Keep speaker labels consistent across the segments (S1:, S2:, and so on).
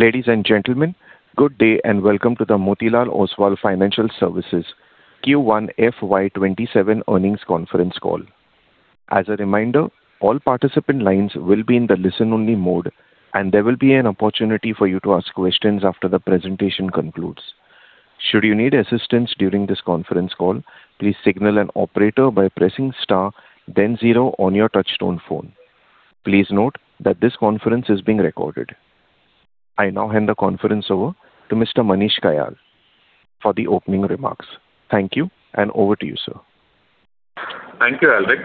S1: Ladies and gentlemen, good day and welcome to the Motilal Oswal Financial Services Q1 FY 2027 earnings conference call. As a reminder, all participant lines will be in the listen-only mode, and there will be an opportunity for you to ask questions after the presentation concludes. Should you need assistance during this conference call, please signal an operator by pressing star, then zero on your touch-tone phone. Please note that this conference is being recorded. I now hand the conference over to Mr. Manish Kayal for the opening remarks. Thank you, and over to you, sir.
S2: Thank you, Alric.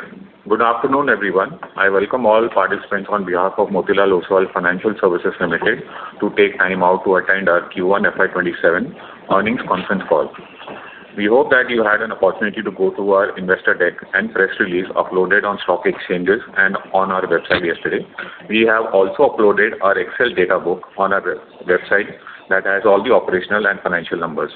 S2: Good afternoon, everyone. I welcome all participants on behalf of Motilal Oswal Financial Services Limited to take time out to attend our Q1 FY 2027 earnings conference call. We hope that you had an opportunity to go through our investor deck and press release uploaded on stock exchanges and on our website yesterday. We have also uploaded our Excel data book on our website that has all the operational and financial numbers.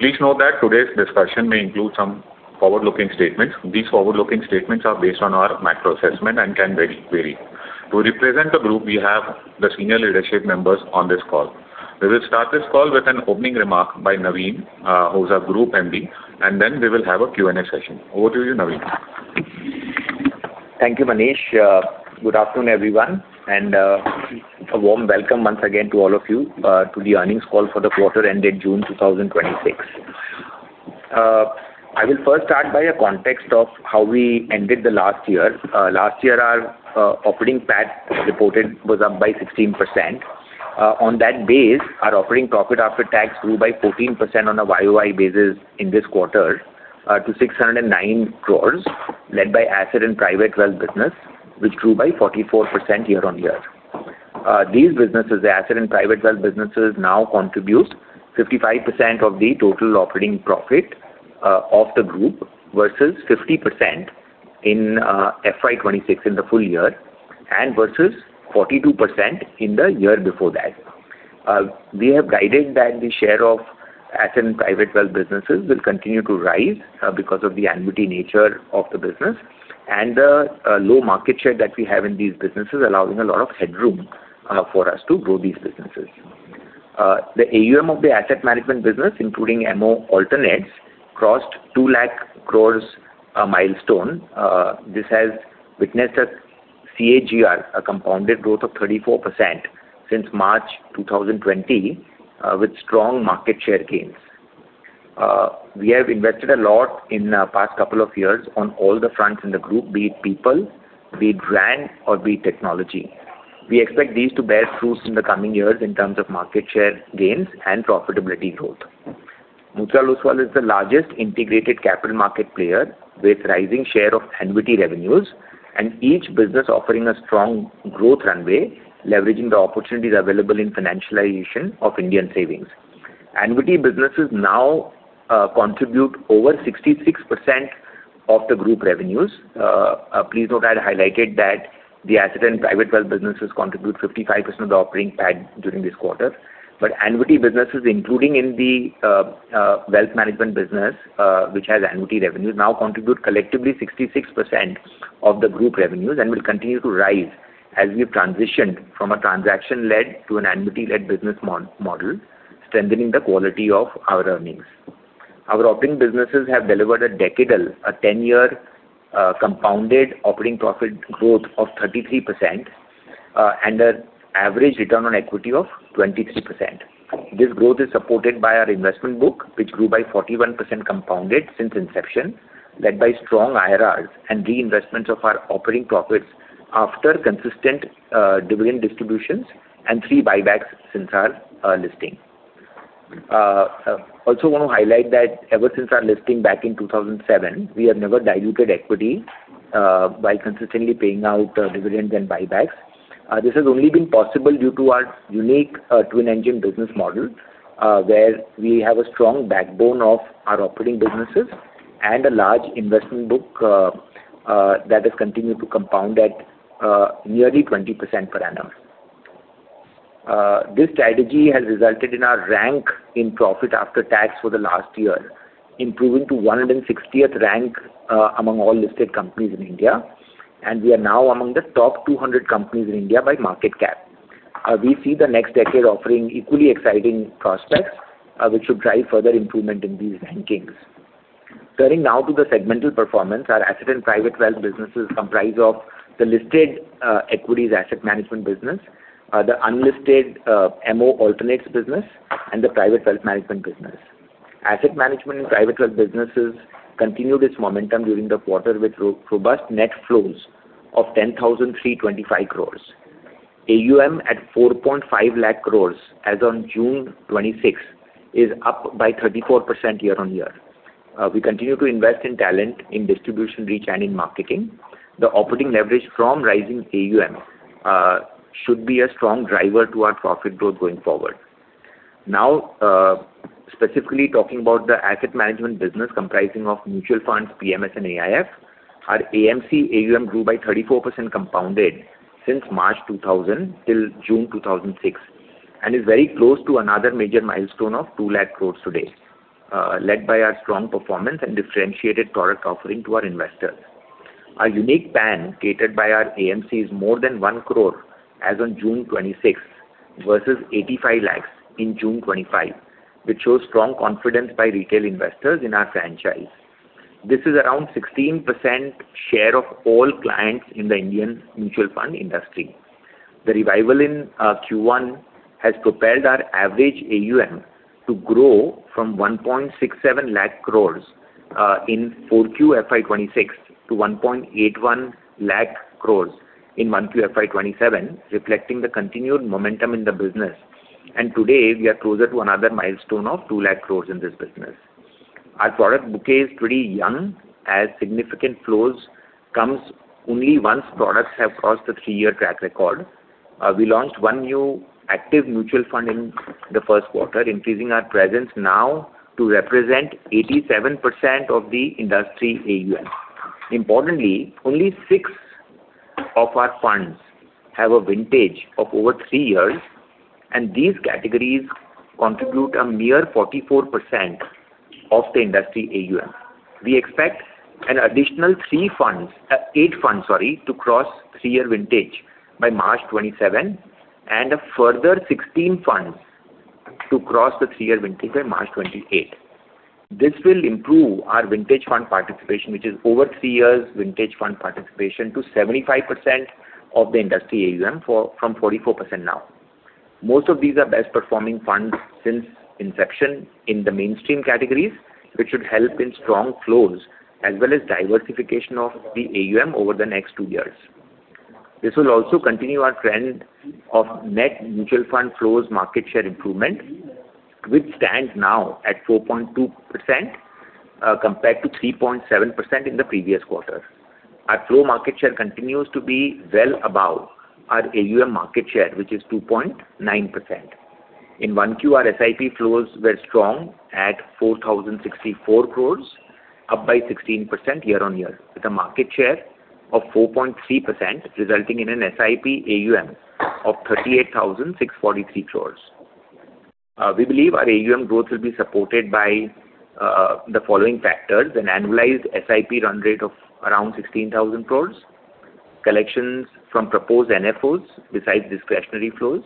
S2: Please note that today's discussion may include some forward-looking statements. These forward-looking statements are based on our macro assessment and can vary. To represent the group, we have the senior leadership members on this call. We will start this call with an opening remark by Navin, who is our Group MD. Then we will have a Q&A session. Over to you, Navin.
S3: Thank you, Manish. Good afternoon, everyone. A warm welcome once again to all of you to the earnings call for the quarter ending June 2026. I will first start by a context of how we ended the last year. Last year, our operating PAT reported was up by 16%. On that base, our operating profit after tax grew by 14% on a Y-o-Y basis in this quarter to 609 crore, led by asset and private wealth business, which grew by 44% year-on-year. These businesses, the asset and private wealth businesses, now contribute 55% of the total operating profit of the group versus 50% in FY 2026 in the full year and versus 42% in the year before that. We have guided that the share of asset and private wealth businesses will continue to rise because of the annuity nature of the business and the low market share that we have in these businesses, allowing a lot of headroom for us to grow these businesses. The AUM of the asset management business, including MO Alternates, crossed 2 lakh crore milestone. This has witnessed a CAGR, a compounded growth of 34% since March 2020 with strong market share gains. We have invested a lot in the past couple of years on all the fronts in the group, be it people, be it brand, or be it technology. We expect these to bear fruits in the coming years in terms of market share gains and profitability growth. Motilal Oswal is the largest integrated capital market player with rising share of annuity revenues and each business offering a strong growth runway, leveraging the opportunities available in financialization of Indian savings. Annuity businesses now contribute over 66% of the group revenues. Please note I highlighted that the asset and private wealth businesses contribute 55% of the operating PAT during this quarter. Annuity businesses, including in the wealth management business, which has annuity revenues, now contribute collectively 66% of the group revenues and will continue to rise as we've transitioned from a transaction-led to an annuity-led business model, strengthening the quality of our earnings. Our operating businesses have delivered a decadal, a 10-year compounded operating profit growth of 33% and an average return on equity of 23%. This growth is supported by our investment book, which grew by 41% compounded since inception, led by strong IRRs and reinvestments of our operating profits after consistent dividend distributions and three buybacks since our listing. Also want to highlight that ever since our listing back in 2007, we have never diluted equity by consistently paying out dividends and buybacks. This has only been possible due to our unique twin-engine business model, where we have a strong backbone of our operating businesses and a large investment book that has continued to compound at nearly 20% per annum. This strategy has resulted in our rank in profit after tax for the last year, improving to 160th rank among all listed companies in India. We are now among the top 200 companies in India by market cap. We see the next decade offering equally exciting prospects, which should drive further improvement in these rankings. Turning now to the segmental performance. Our asset and private wealth businesses comprise of the listed equities asset management business, the unlisted MO Alternates business, and the private wealth management business. Asset management and private wealth businesses continued its momentum during the quarter with robust net flows of 10,325 crore. AUM at 4.5 lakh crore as on June 26 is up by 34% year-on-year. We continue to invest in talent, in distribution reach, and in marketing. The operating leverage from rising AUM should be a strong driver to our profit growth going forward. Specifically talking about the asset management business comprising of mutual funds, PMS, and AIF, our AMC AUM grew by 34% compounded since March 2000 till June 2006 and is very close to another major milestone of 2 lakh crore today, led by our strong performance and differentiated product offering to our investors. Our unique PAN created by our AMCs more than 1 crore as on June 26th versus 85 lakh in June 25, which shows strong confidence by retail investors in our franchise. This is around 16% share of all clients in the Indian mutual fund industry. The revival in Q1 has propelled our average AUM to grow from 1.67 lakh crore in 4Q FY 2026 to 1.81 lakh crore in 1Q FY 2027, reflecting the continued momentum in the business. Today, we are closer to another milestone of 2 lakh crore in this business. Our product bouquet is pretty young as significant flows comes only once products have crossed the three-year track record. We launched one new active mutual fund in the first quarter, increasing our presence now to represent 87% of the industry AUM. Importantly, only six of our funds have a vintage of over three years, and these categories contribute a mere 44% of the industry AUM. We expect an additional eight funds to cross three-year vintage by March 2027, and a further 16 funds to cross the three-year vintage by March 2028. This will improve our vintage fund participation, which is over three-years vintage fund participation to 75% of the industry AUM from 44% now. Most of these are best performing funds since inception in the mainstream categories, which should help in strong flows as well as diversification of the AUM over the next two years. This will also continue our trend of net mutual fund flows market share improvement, which stands now at 4.2% compared to 3.7% in the previous quarter. Our flow market share continues to be well above our AUM market share, which is 2.9%. In 1Q, our SIP flows were strong at 4,064 crores, up by 16% year-on-year, with a market share of 4.3%, resulting in an SIP AUM of 38,643 crores. We believe our AUM growth will be supported by the following factors: an annualized SIP run-rate of around 16,000 crores, collections from proposed NFOs besides discretionary flows,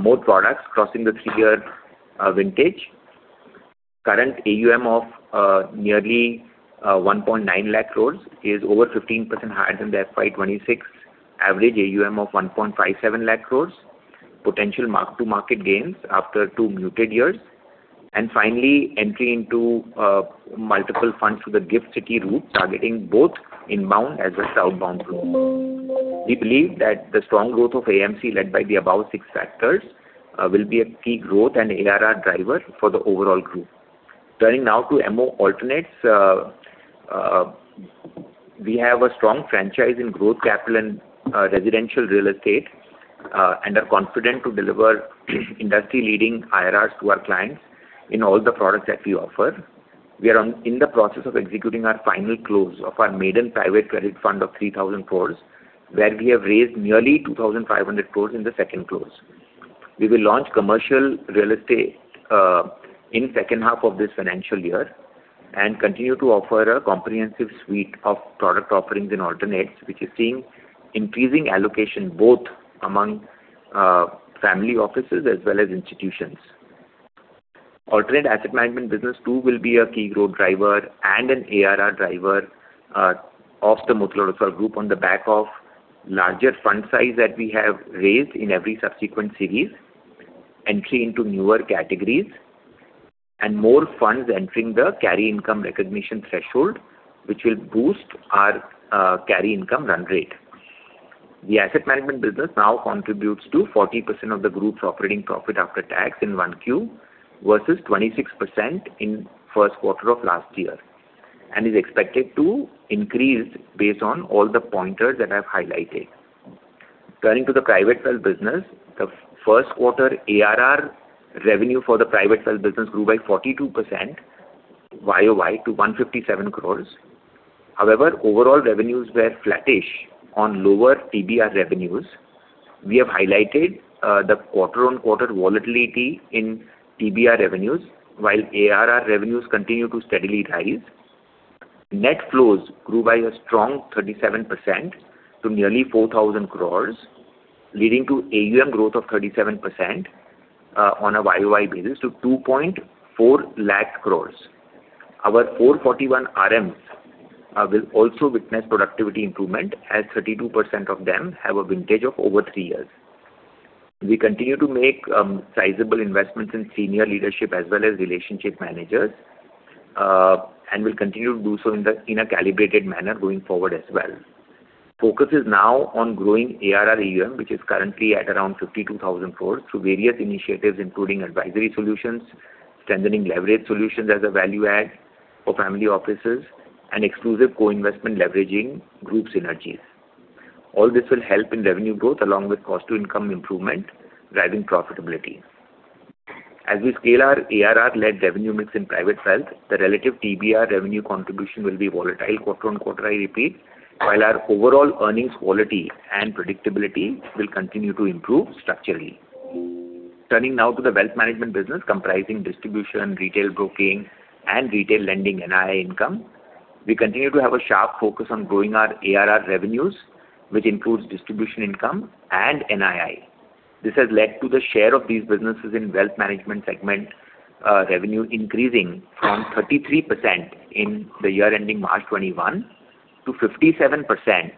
S3: more products crossing the three-year vintage. Current AUM of nearly 1.9 lakh crores is over 15% higher than the FY 2026 average AUM of 1.57 lakh crores. Potential mark-to-market gains after two muted years, and finally entry into multiple funds through the GIFT City route, targeting both inbound as well southbound flows. We believe that the strong growth of AMC led by the above six factors will be a key growth and ARR driver for the overall group. Turning now to MO Alternates. We have a strong franchise in growth capital and residential real estate, and are confident to deliver industry-leading IRRs to our clients in all the products that we offer. We are in the process of executing our final close of our maiden private credit fund of 3,000 crores, where we have raised nearly 2,500 crores in the second close. We will launch commercial real estate in second half of this financial year and continue to offer a comprehensive suite of product offerings in alternates, which is seeing increasing allocation both among family offices as well as institutions. Alternate asset management business too will be a key growth driver and an ARR driver of the Motilal Oswal Group on the back of larger fund size that we have raised in every subsequent series, entry into newer categories, and more funds entering the carry income recognition threshold, which will boost our carry income run-rate. The asset management business now contributes to 40% of the group's operating profit after tax in 1Q versus 26% in first quarter of last year, and is expected to increase based on all the pointers that I've highlighted. Turning to the private wealth business. The first quarter ARR revenue for the private wealth business grew by 42% Y-o-Y to 157 crores. Overall revenues were flattish on lower TBR revenues. We have highlighted the quarter-on-quarter volatility in TBR revenues while ARR revenues continue to steadily rise. Net flows grew by a strong 37% to nearly 4,000 crores, leading to AUM growth of 37% on a Y-o-Y basis to 2.4 lakh crores. Our 441 RMs will also witness productivity improvement as 32% of them have a vintage of over three years. We continue to make sizable investments in senior leadership as well as relationship managers, and will continue to do so in a calibrated manner going forward as well. Focus is now on growing ARR AUM, which is currently at around 52,000 crores through various initiatives including advisory solutions, strengthening leverage solutions as a value add for family offices, and exclusive co-investment leveraging group synergies. All this will help in revenue growth along with cost-to-income improvement, driving profitability. As we scale our ARR-led revenue mix in private wealth, the relative TBR revenue contribution will be volatile quarter-on-quarter, I repeat, while our overall earnings quality and predictability will continue to improve structurally. Turning now to the wealth management business comprising distribution, retail broking, and retail lending NII income. We continue to have a sharp focus on growing our ARR revenues, which includes distribution income and NII. This has led to the share of these businesses in wealth management segment revenue increasing from 33% in the year ending March 2021 to 57%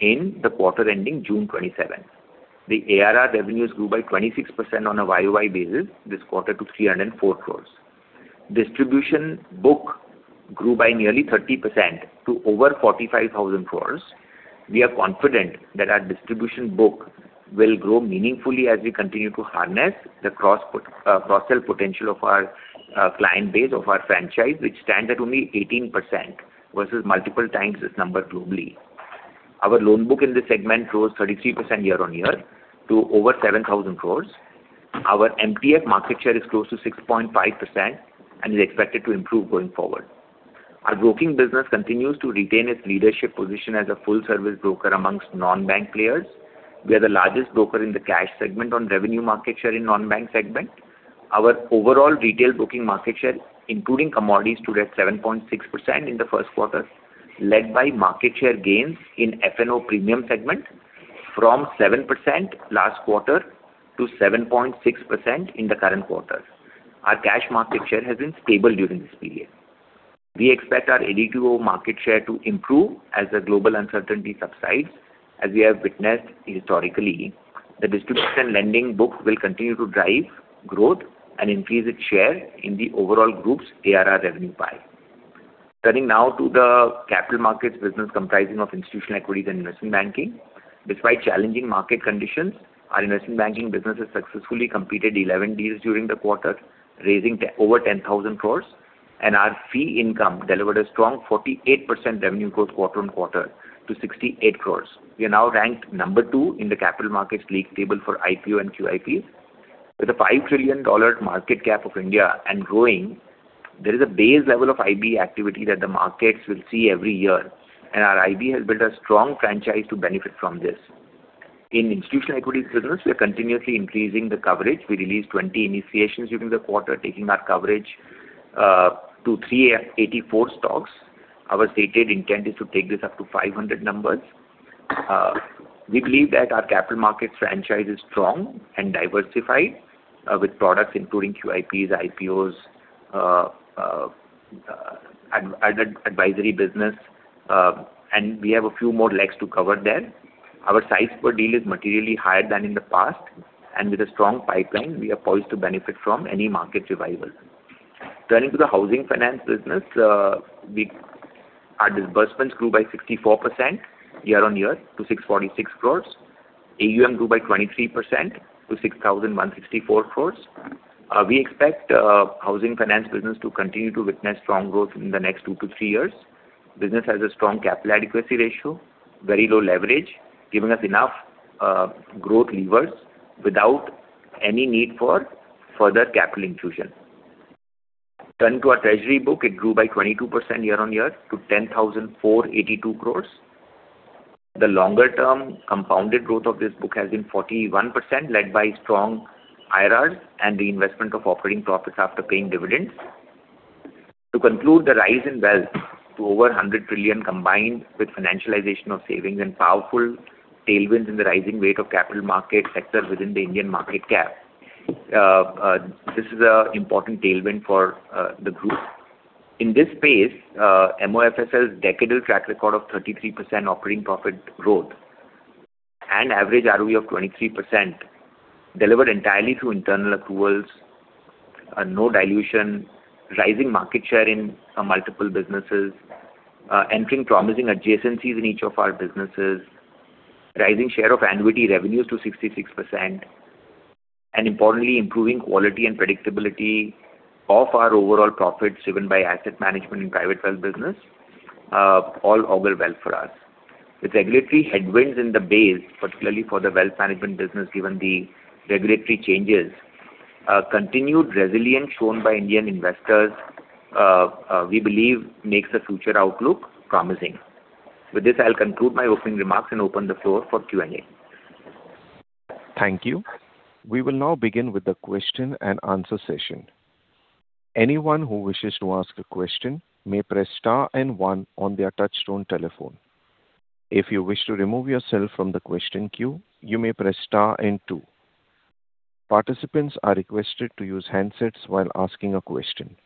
S3: in the quarter ending June 2027. The ARR revenues grew by 26% on a Y-o-Y basis this quarter to 304 crores. Distribution book grew by nearly 30% to over 45,000 crores. We are confident that our distribution book will grow meaningfully as we continue to harness the cross-sell potential of our client base of our franchise, which stands at only 18% versus multiple times this number globally. Our loan book in this segment rose 33% year-on-year to over 7,000 crores. Our MPF market share is close to 6.5% and is expected to improve going forward. Our broking business continues to retain its leadership position as a full-service broker amongst non-bank players. We are the largest broker in the cash segment on revenue market share in non-bank segment. Our overall retail broking market share, including commodities, stood at 7.6% in the first quarter, led by market share gains in F&O premium segment from 7% last quarter to 7.6% in the current quarter. Our cash market share has been stable during this period. We expect our ADTO market share to improve as the global uncertainty subsides, as we have witnessed historically. The distribution lending book will continue to drive growth and increase its share in the overall group's ARR revenue pie. Turning now to the capital markets business comprising of institutional equities and investment banking. Despite challenging market conditions, our investment banking business has successfully completed 11 deals during the quarter, raising over 10,000 crores, and our fee income delivered a strong 48% revenue growth quarter-on-quarter to 68 crores. We are now ranked number two in the capital markets league table for IPO and QIP. With a $5 trillion market cap of India and growing, there is a base level of IB activity that the markets will see every year, and our IB has built a strong franchise to benefit from this. In institutional equities business, we are continuously increasing the coverage. We released 20 initiations during the quarter, taking our coverage to 384 stocks. Our stated intent is to take this up to 500 numbers. We believe that our capital markets franchise is strong and diversified with products including QIPs, IPOs, advisory business, and we have a few more legs to cover there. Our size per deal is materially higher than in the past, and with a strong pipeline, we are poised to benefit from any market revival. Turning to the housing finance business, our disbursements grew by 64% year-on-year to 646 crores. AUM grew by 23% to 6,164 crores. We expect housing finance business to continue to witness strong growth in the next two to three years. Business has a strong capital adequacy ratio, very low leverage, giving us enough growth levers without any need for further capital infusion. Turning to our treasury book, it grew by 22% year-on-year to 10,482 crores. The longer-term compounded growth of this book has been 41%, led by strong IRRs and the investment of operating profits after paying dividends. To conclude, the rise in wealth to over 100 trillion, combined with financialization of savings and powerful tailwinds in the rising weight of capital market sector within the Indian market cap. This is an important tailwind for the group. In this space, MOFSL's decadal track record of 33% operating profit growth and average ROE of 23% delivered entirely through internal accruals, no dilution, rising market share in multiple businesses, entering promising adjacencies in each of our businesses, rising share of annuity revenues to 66%, and importantly, improving quality and predictability of our overall profits driven by asset management and private wealth business all augur well for us. With regulatory headwinds in the base, particularly for the wealth management business, given the regulatory changes, continued resilience shown by Indian investors, we believe makes the future outlook promising. With this, I'll conclude my opening remarks and open the floor for Q&A.
S1: Thank you. We will now begin with the question-and-answer session. Anyone who wishes to ask a question may press star and one on their touch-tone telephone. If you wish to remove yourself from the question queue, you may press star and two. Participants are requested to use handsets while asking a question.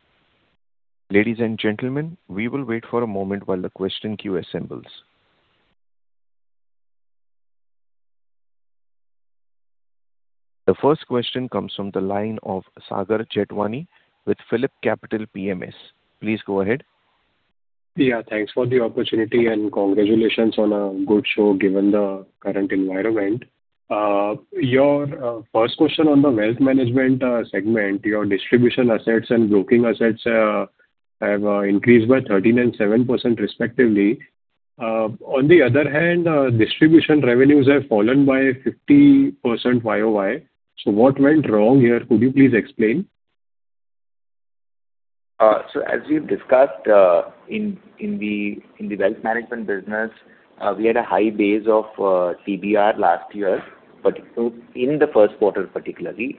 S1: Ladies and gentlemen, we will wait for a moment while the question queue assembles. The first question comes from the line of Sagar Jethwani with PhillipCapital PMS. Please go ahead.
S4: Yeah. Thanks for the opportunity and congratulations on a good show given the current environment. Your first question on the wealth management segment, your distribution assets and broking assets have increased by 13% and 7% respectively. On the other hand, distribution revenues have fallen by 50% Y-o-Y. What went wrong here? Could you please explain?
S3: As we've discussed in the wealth management business, we had a high base of TBR last year, in the first quarter particularly.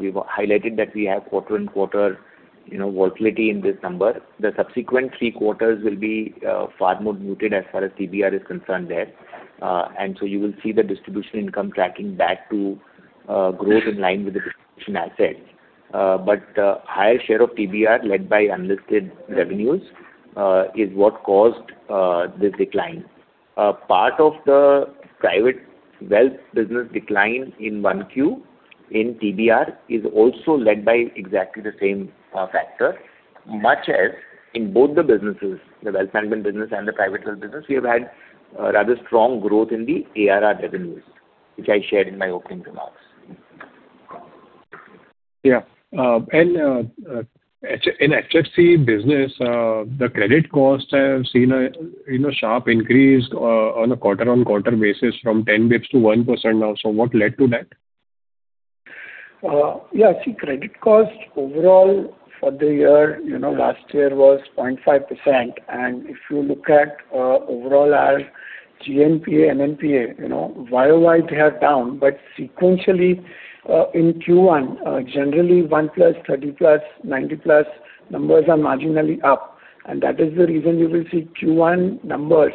S3: We've highlighted that we have quarter-on-quarter volatility in this number. The subsequent three quarters will be far more muted as far as TBR is concerned there. You will see the distribution income tracking back to growth in line with the distribution assets. Higher share of TBR led by unlisted revenues is what caused this decline. Part of the Private Wealth business decline in 1Q in TBR is also led by exactly the same factor. Much as in both the businesses, the wealth management business and the Private Wealth business, we have had rather strong growth in the ARR revenues, which I shared in my opening remarks.
S4: Yeah. In HFC business, the credit costs have seen a sharp increase on a quarter-on-quarter basis from 10 basis points to 1% now. What led to that?
S5: Yeah. See, credit cost overall for the year last year was 0.5%. If you look at overall our GNPA, NNPA, year-over-year they are down. Sequentially, in Q1, generally 1+, 30+, 90+ numbers are marginally up, and that is the reason you will see Q1 numbers.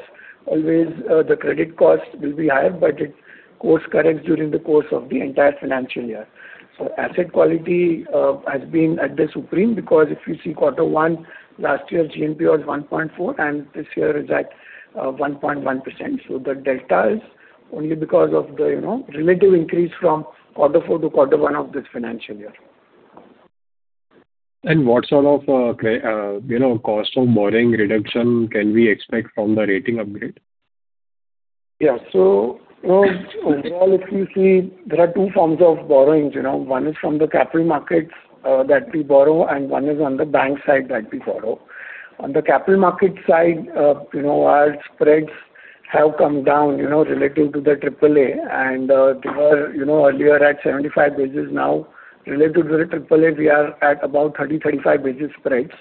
S5: Always the credit cost will be higher, but it course corrects during the course of the entire financial year. Asset quality has been at the supreme, because if you see quarter one, last year's GNPA was 1.4% and this year is at 1.1%. The delta is only because of the relative increase from quarter four to quarter one of this financial year.
S4: What sort of cost of borrowing reduction can we expect from the rating upgrade?
S5: Yeah. Overall, if you see, there are two forms of borrowings. One is from the capital markets that we borrow, and one is on the bank side that we borrow. On the capital market side, our spreads have come down relating to the AAA and they were earlier at 75 basis points. Now relative to the AAA, we are at about 30 basis spread-35 basis spreads.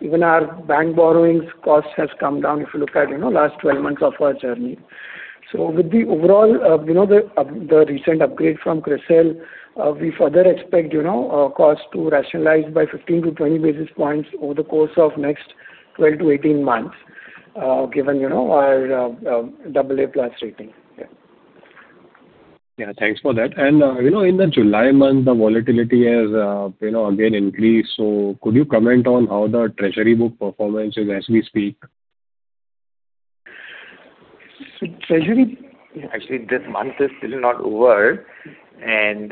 S5: Even our bank borrowings cost has come down if you look at last 12 months of our journey. With the overall recent upgrade from CRISIL, we further expect cost to rationalize by 15 basis points-20 basis points over the course of next 12-18 months, given our AA+ rating. Yeah.
S4: Yeah, thanks for that. In the July month, the volatility has again increased. Could you comment on how the treasury book performance is as we speak?
S3: Actually, this month is still not over. A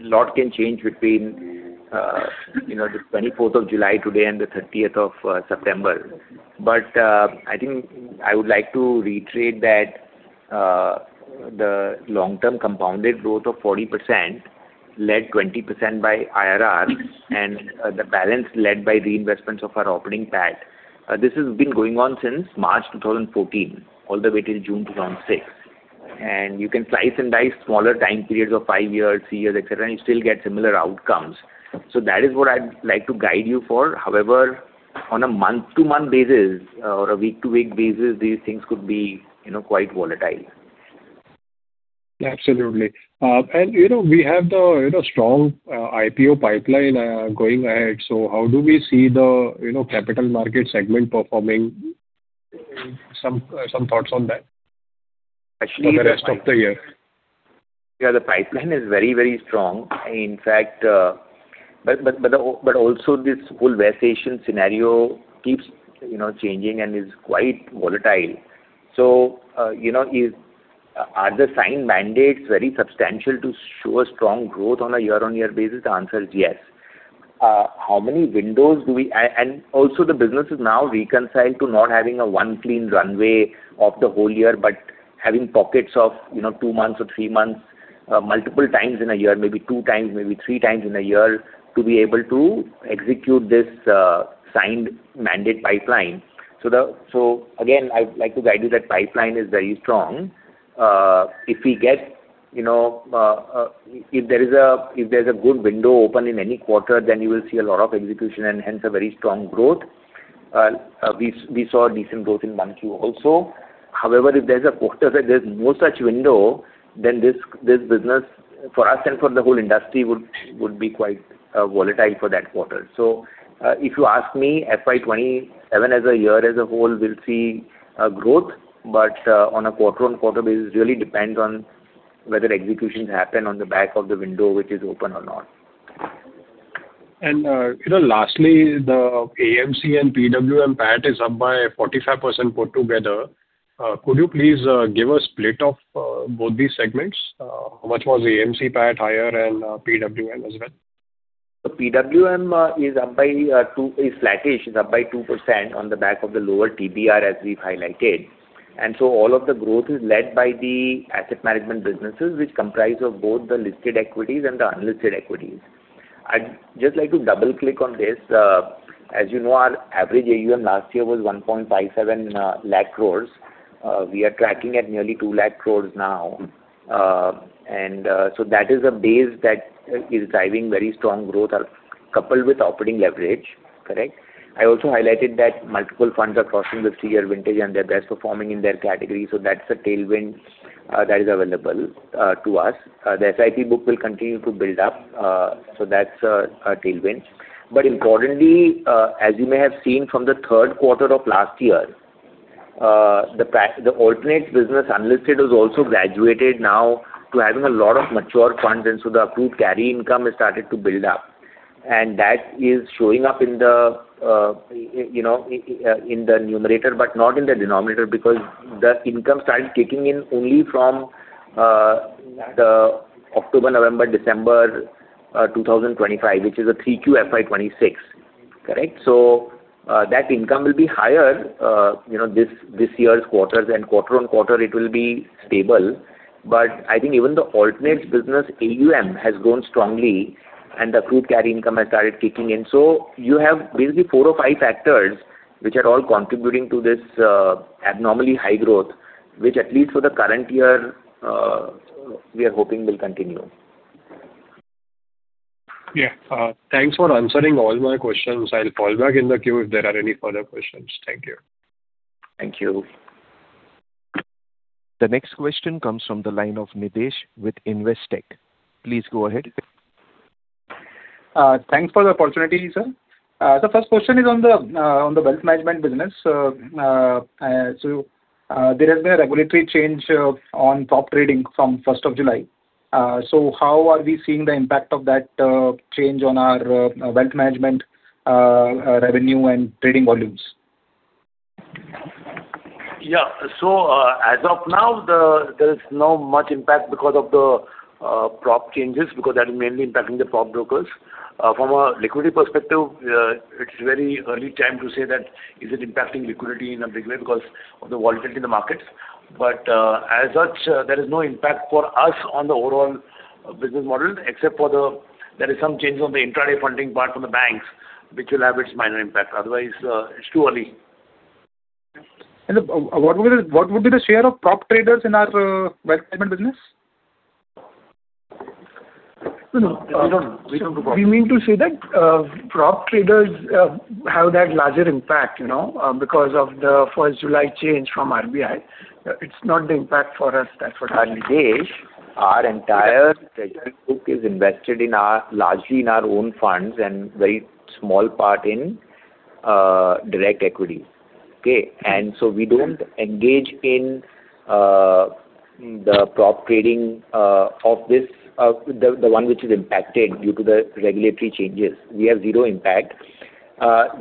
S3: lot can change between the 24th of July today and the 30th of September. I think I would like to reiterate that the long-term compounded growth of 40% led 20% by IRR and the balance led by reinvestments of our opening PAT. This has been going on since March 2014 all the way till June 2026. You can slice and dice smaller time periods of five years, three years, et cetera, and you still get similar outcomes. That is what I'd like to guide you for. However, on a month-to-month basis or a week-to-week basis, these things could be quite volatile.
S4: Absolutely. We have the strong IPO pipeline going ahead. How do we see the capital market segment performing? Some thoughts on that for the rest of the year.
S3: Yeah, the pipeline is very, very strong. In fact, also this whole West Asian scenario keeps changing and is quite volatile. Are the signed mandates very substantial to show a strong growth on a year-on-year basis? The answer is yes. Also the business is now reconciled to not having a one clean runway of the whole year, but having pockets of two months or three months multiple times in a year, maybe two times, maybe three times in a year to be able to execute this signed mandate pipeline. Again, I'd like to guide you that pipeline is very strong. If there's a good window open in any quarter, you will see a lot of execution and hence a very strong growth. We saw a decent growth in 1Q also. However, if there's a quarter where there's no such window, this business for us and for the whole industry would be quite volatile for that quarter. If you ask me, FY 2027 as a year as a whole will see a growth, but on a quarter-on-quarter basis, really depends on whether execution happen on the back of the window, which is open or not.
S4: Lastly, the AMC and PWM PAT is up by 45% put together. Could you please give a split of both these segments? How much was the AMC PAT higher and PWM as well?
S3: PWM is flattish, is up by 2% on the back of the lower TBR as we've highlighted. All of the growth is led by the asset management businesses, which comprise of both the listed equities and the unlisted equities I'd just like to double-click on this. As you know, our average AUM last year was 1.57 lakh crores. We are tracking at nearly two lakh crores now. That is a base that is driving very strong growth coupled with operating leverage. Correct? I also highlighted that multiple funds are crossing the three-year vintage and they're best performing in their category, so that's a tailwind that is available to us. The SIP book will continue to build up so that's a tailwind. Importantly, as you may have seen from the third quarter of last year, the alternate business unlisted has also graduated now to having a lot of mature funds, and so the approved carry income has started to build up. That is showing up in the numerator, but not in the denominator because the income starts kicking in only from the October, November, December 2025, which is a 3Q FY 2026. Correct? That income will be higher this year's quarters and quarter-on-quarter it will be stable. I think even the alternates business AUM has grown strongly and the approved carry income has started kicking in. You have basically four or five factors which are all contributing to this abnormally high growth, which at least for the current year, we are hoping will continue.
S4: Yeah. Thanks for answering all my questions. I'll call back in the queue if there are any further questions. Thank you.
S3: Thank you.
S1: The next question comes from the line of Nidhesh with Investec. Please go ahead.
S6: Thanks for the opportunity, sir. The first question is on the wealth management business. There has been a regulatory change on prop trading from 1st of July. How are we seeing the impact of that change on our wealth management revenue and trading volumes?
S7: As of now, there is not much impact because of the prop changes because that is mainly impacting the prop brokers. From a liquidity perspective, it's very early time to say that is it impacting liquidity in a big way because of the volatility in the markets. As such, there is no impact for us on the overall business model except for the There is some change on the intraday funding part from the banks, which will have its minor impact. Otherwise, it's too early.
S6: What would be the share of prop traders in our wealth management business?
S7: No, we don't do prop.
S6: We mean to say that prop traders have that larger impact because of the 1st July change from RBI. It's not the impact for us, that's what I mean.
S3: Nidhesh, our entire treasury book is invested largely in our own funds and very small part in direct equity. Okay? We don't engage in the prop trading of this, the one which is impacted due to the regulatory changes. We have zero impact.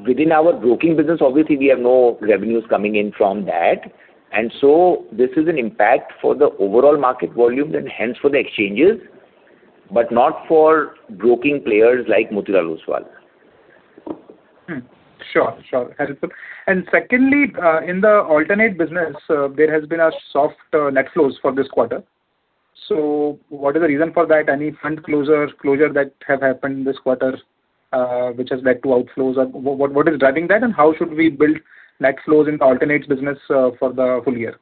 S3: Within our broking business, obviously, we have no revenues coming in from that. This is an impact for the overall market volumes and hence for the exchanges, but not for broking players like Motilal Oswal.
S6: Sure. Helpful. Secondly, in the alternate business there has been a soft net flows for this quarter. What is the reason for that? Any front closure that have happened this quarter which has led to outflows? What is driving that and how should we build net flows in alternates business for the full-year?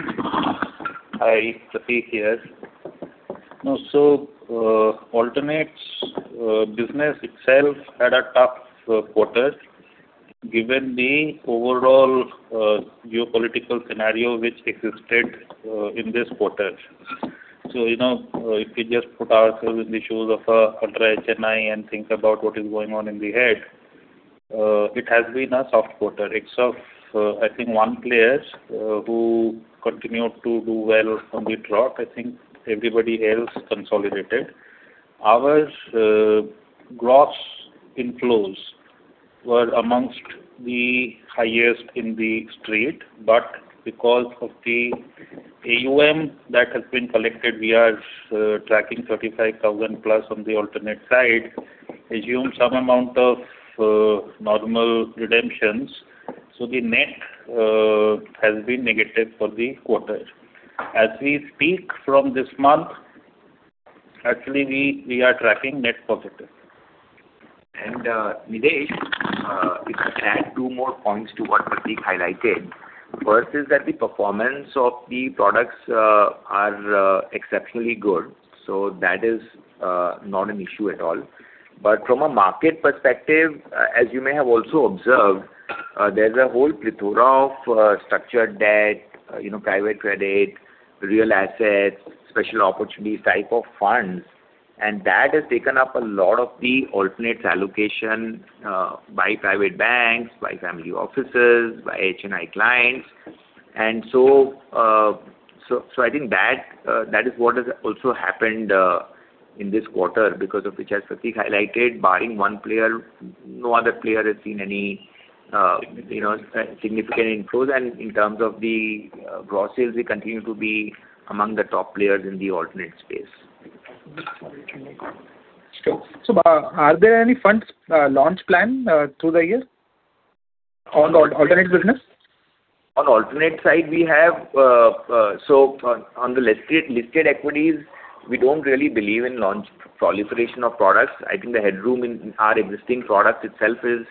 S7: Hi, Prateek here. Alternates business itself had a tough quarter given the overall geopolitical scenario which existed in this quarter. If we just put ourselves in the shoes of a ultra HNI and think about what is going on in the head, it has been a soft quarter. Except for, I think one player who continued to do well from the trough. I think everybody else consolidated. Our gross inflows were amongst the highest in the street. Because of the AUM that has been collected, we are tracking 35,000 plus on the alternate side, assume some amount of normal redemptions. The net has been negative for the quarter. As we speak from this month, actually we are tracking net positive.
S3: Nidhesh, if I can add two more points to what Prateek highlighted. First is that the performance of the products are exceptionally good, that is not an issue at all. From a market perspective, as you may have also observed, there's a whole plethora of structured debt, private credit, real assets, special opportunities type of funds and that has taken up a lot of the alternates allocation by private banks, by family offices, by HNI clients. I think that is what has also happened in this quarter because of which, as Prateek highlighted, barring one player, no other player has seen any significant inflows. In terms of the gross sales, we continue to be among the top players in the alternate space.
S6: Sure. Are there any funds launch plan through the year? On the alternate business?
S3: On alternate side. On the listed equities, we don't really believe in proliferation of products. I think the headroom in our existing product itself is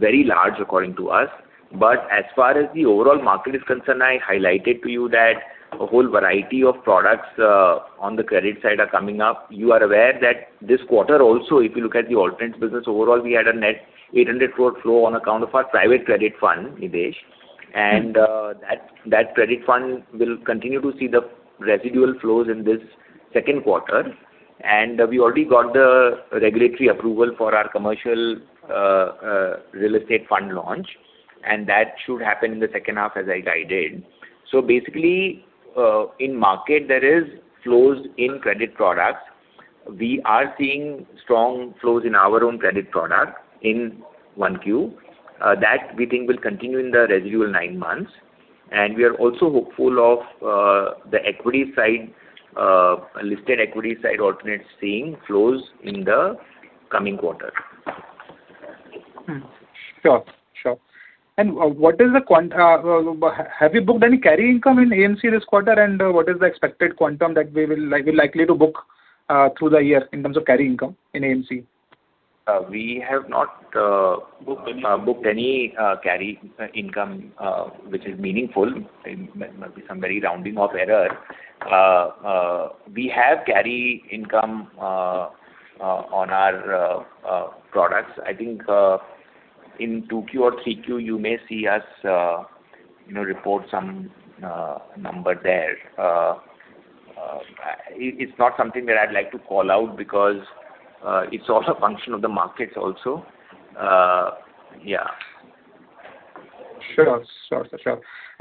S3: very large according to us. As far as the overall market is concerned, I highlighted to you that a whole variety of products on the credit side are coming up. You are aware that this quarter also, if you look at the alternates business overall, we had a net 800 crore flow on account of our private credit fund, Nidhesh. That credit fund will continue to see the residual flows in this second quarter. We already got the regulatory approval for our commercial real estate fund launch, and that should happen in the second half as I guided. Basically, in market there is flows in credit products. We are seeing strong flows in our own credit product in 1Q. That we think will continue in the residual nine months. We are also hopeful of the listed equity side alternates seeing flows in the coming quarter.
S6: Sure. Have you booked any carry income in AMC this quarter? What is the expected quantum that we're likely to book through the year in terms of carry income in AMC?
S3: We have not.
S6: Booked any.
S3: booked any carry income which is meaningful. There must be some very rounding off error. We have carry income on our products. I think in 2Q or 3Q, you may see us report some number there. It's not something that I'd like to call out because it's also a function of the markets also. Yeah.
S6: Sure.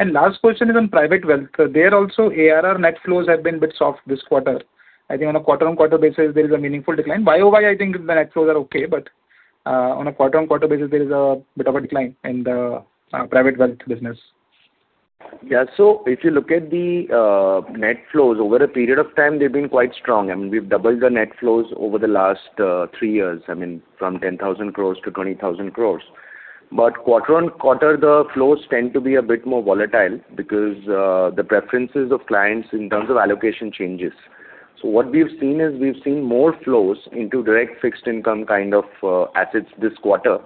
S6: Last question is on Private Wealth. There also, ARR net flows have been a bit soft this quarter. I think on a quarter-on-quarter basis, there is a meaningful decline. YOY, I think the net flows are okay, but on a quarter-on-quarter basis, there is a bit of a decline in the Private Wealth business.
S3: Yeah. If you look at the net flows over a period of time, they've been quite strong. We've doubled the net flows over the last three years, from 10,000 crore to 20,000 crore. Quarter-on-quarter, the flows tend to be a bit more volatile because the preferences of clients in terms of allocation changes. What we've seen is we've seen more flows into direct fixed income kind of assets this quarter.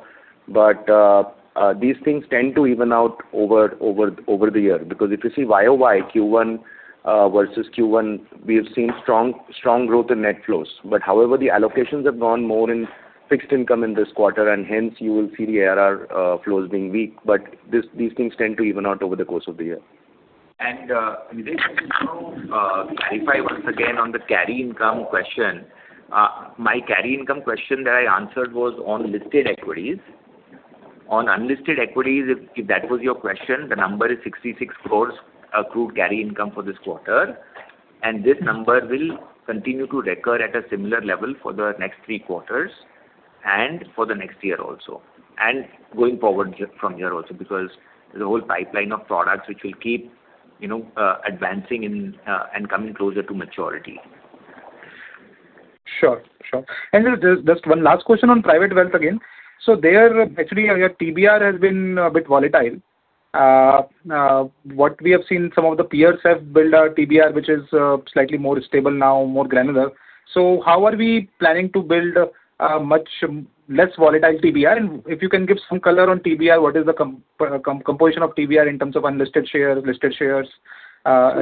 S3: These things tend to even out over the year because if you see Y-o-Y Q1 versus Q1, we have seen strong growth in net flows. However, the allocations have gone more in fixed income in this quarter and hence you will see the ARR flows being weak, but these things tend to even out over the course of the year. Nidhesh, if you clarify once again on the carry income question. My carry income question that I answered was on listed equities. On unlisted equities, if that was your question, the number is 66 crore accrued carry income for this quarter. This number will continue to recur at a similar level for the next three quarters and for the next year also, and going forward from here also because there's a whole pipeline of products which will keep advancing and coming closer to maturity.
S6: Sure. Just one last question on private wealth again. There, actually, your TBR has been a bit volatile. What we have seen, some of the peers have built a TBR which is slightly more stable now, more granular. How are we planning to build a much less volatile TBR? If you can give some color on TBR, what is the composition of TBR in terms of unlisted shares, listed shares,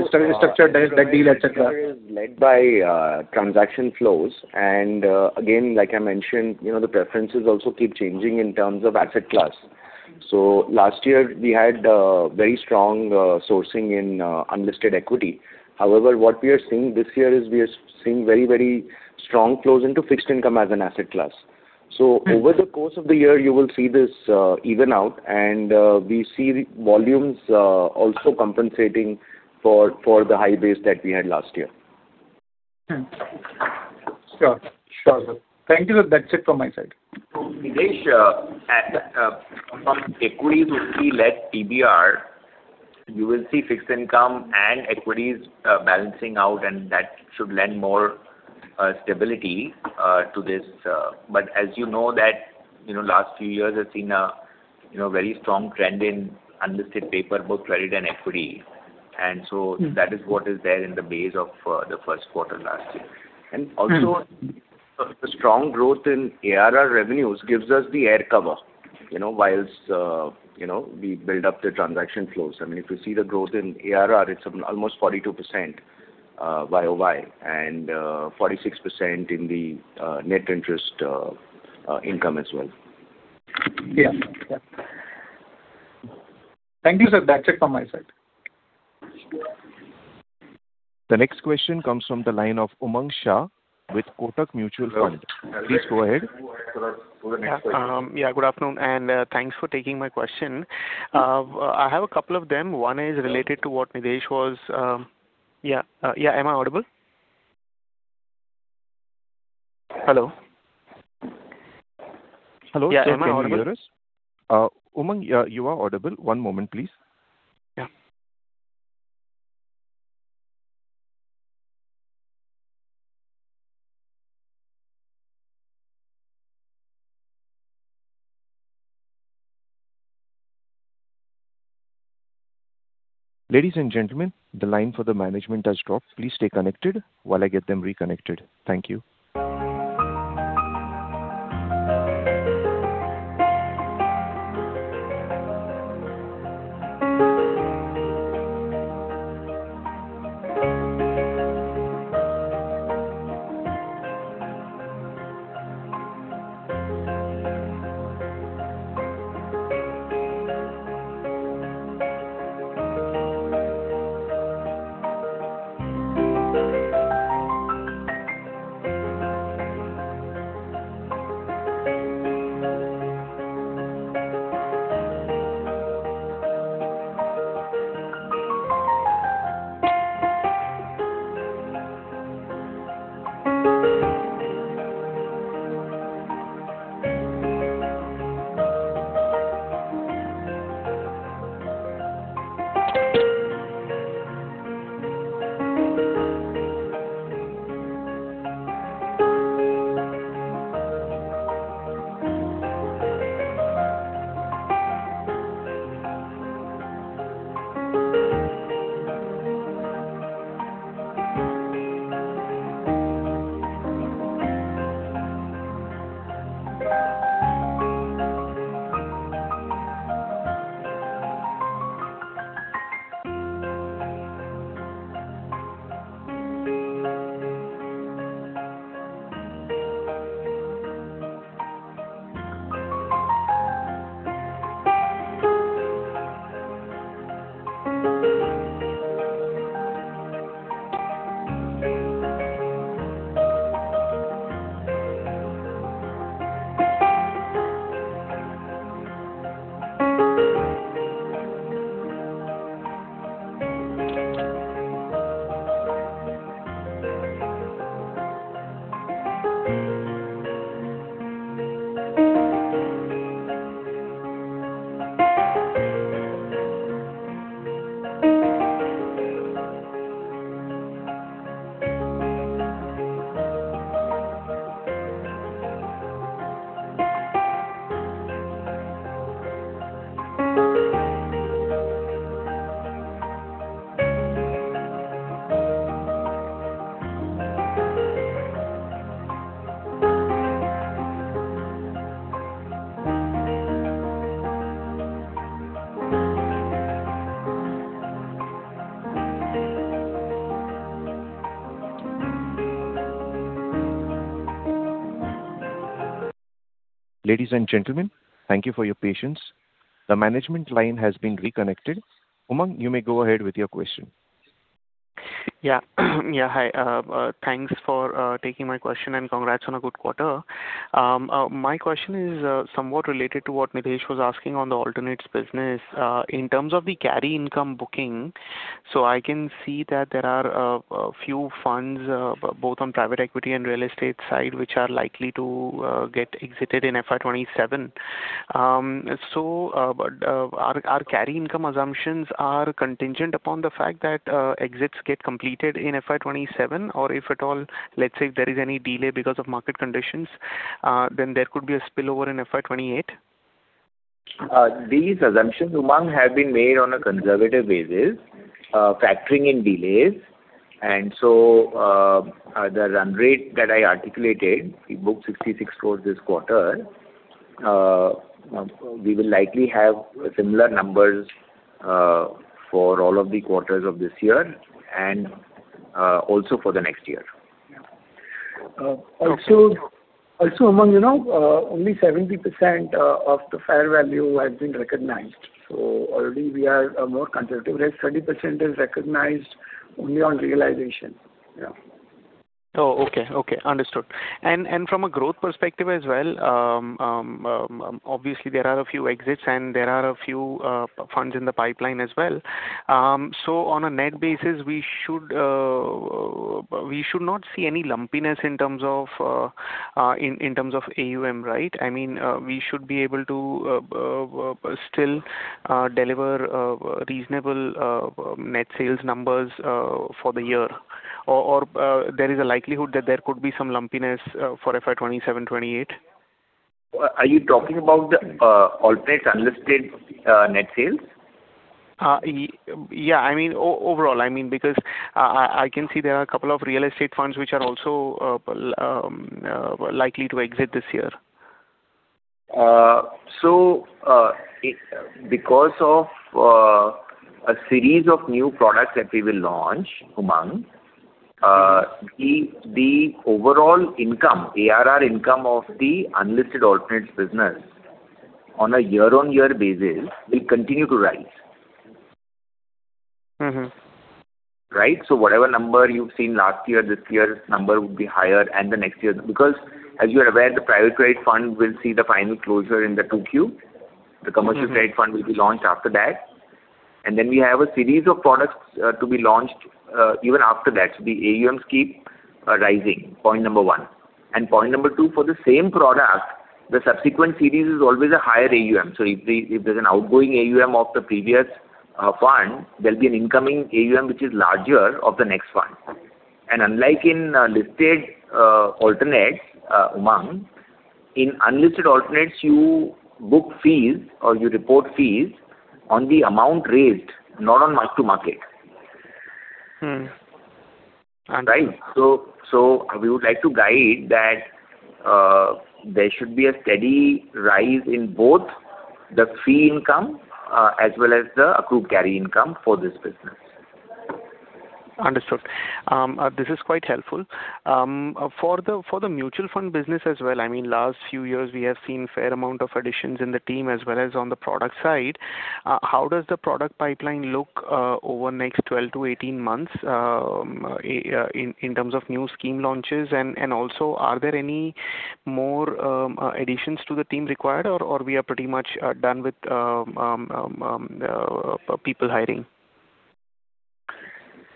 S6: structure, direct deal, etc.?
S3: TBR is led by transaction flows. Again, like I mentioned, the preferences also keep changing in terms of asset class. Last year we had very strong sourcing in unlisted equity. However, what we are seeing this year is we are seeing very strong flows into fixed income as an asset class. Over the course of the year, you will see this even out and we see volumes also compensating for the high base that we had last year.
S6: Sure, sir. Thank you. That's it from my side.
S3: Nidhesh, from equities-led TBR, you will see fixed income and equities balancing out and that should lend more stability to this. As you know that last few years have seen a very strong trend in unlisted paper book credit and equity. That is what is there in the base of the first quarter last year. Also, the strong growth in ARR revenues gives us the air cover whilst we build up the transaction flows. If you see the growth in ARR, it's almost 42% Y-o-Y and 46% in the net interest income as well.
S6: Yeah. Thank you, sir. That's it from my side.
S1: The next question comes from the line of Umang Shah with Kotak Mutual Fund. Please go ahead.
S8: Yeah. Good afternoon and thanks for taking my question. I have a couple of them. One is related to what Nidhesh was. Yeah. Am I audible? Hello?
S1: Hello, sir. Can you hear us? Umang, you are audible. One moment please.
S8: Yeah.
S1: Ladies and gentlemen, the line for the management has dropped. Please stay connected while I get them reconnected. Thank you. Ladies and gentlemen, thank you for your patience. The management line has been reconnected. Umang, you may go ahead with your question.
S8: Yeah. Hi. Thanks for taking my question. Congrats on a good quarter. My question is somewhat related to what Nidhesh was asking on the alternates business. In terms of the carry income booking, I can see that there are a few funds, both on private equity and real estate side, which are likely to get exited in FY 2027. Our carry income assumptions are contingent upon the fact that exits get completed in FY 2027, or if at all, let's say if there is any delay because of market conditions, then there could be a spillover in FY 2028?
S3: These assumptions, Umang, have been made on a conservative basis, factoring in delays. The run rate that I articulated, we booked 66 crores this quarter. We will likely have similar numbers for all of the quarters of this year and also for the next year.
S8: Yeah.
S5: Umang, only 70% of the fair value has been recognized. Already we are more conservative. That 30% is recognized only on realization. Yeah.
S8: Oh, okay. Understood. From a growth perspective as well, obviously there are a few exits, and there are a few funds in the pipeline as well. On a net basis, we should not see any lumpiness in terms of AUM, right? I mean, we should be able to still deliver reasonable net sales numbers for the year. There is a likelihood that there could be some lumpiness for FY 2027-2028?
S3: Are you talking about the alternates unlisted net sales?
S8: Yeah. I mean, overall. I can see there are a couple of real estate funds which are also likely to exit this year.
S3: Because of a series of new products that we will launch, Umang, the overall income, ARR income of the unlisted alternates business on a year-on-year basis will continue to rise. Right? Whatever number you've seen last year, this year's number would be higher and the next year. Because as you are aware, the private credit fund will see the final closure in the 2Q. The commercial credit fund will be launched after that. Then we have a series of products to be launched even after that. The AUMs keep rising, point 1. Point 2, for the same product the subsequent series is always a higher AUM. If there's an outgoing AUM of the previous fund, there will be an incoming AUM which is larger of the next fund. Unlike in listed alternates, Umang, in unlisted alternates you book fees or you report fees on the amount raised, not on mark-to-market.
S8: Understood.
S3: We would like to guide that there should be a steady rise in both the fee income as well as the accrued carry income for this business.
S8: Understood. This is quite helpful. For the mutual fund business as well, last few years we have seen fair amount of additions in the team as well as on the product side. How does the product pipeline look over next 12 to 18 months, in terms of new scheme launches? Are there any more additions to the team required, or we are pretty much done with people hiring?
S7: Okay.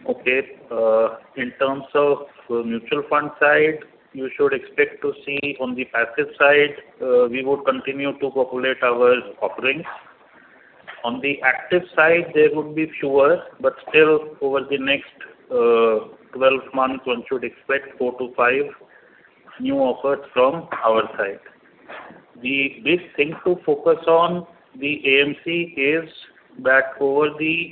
S7: In terms of mutual fund side, you should expect to see on the passive side, we would continue to populate our offerings. On the active side, there would be fewer, but still over the next 12 months, one should expect four to five new offers from our side. The big thing to focus on the AMC is that over the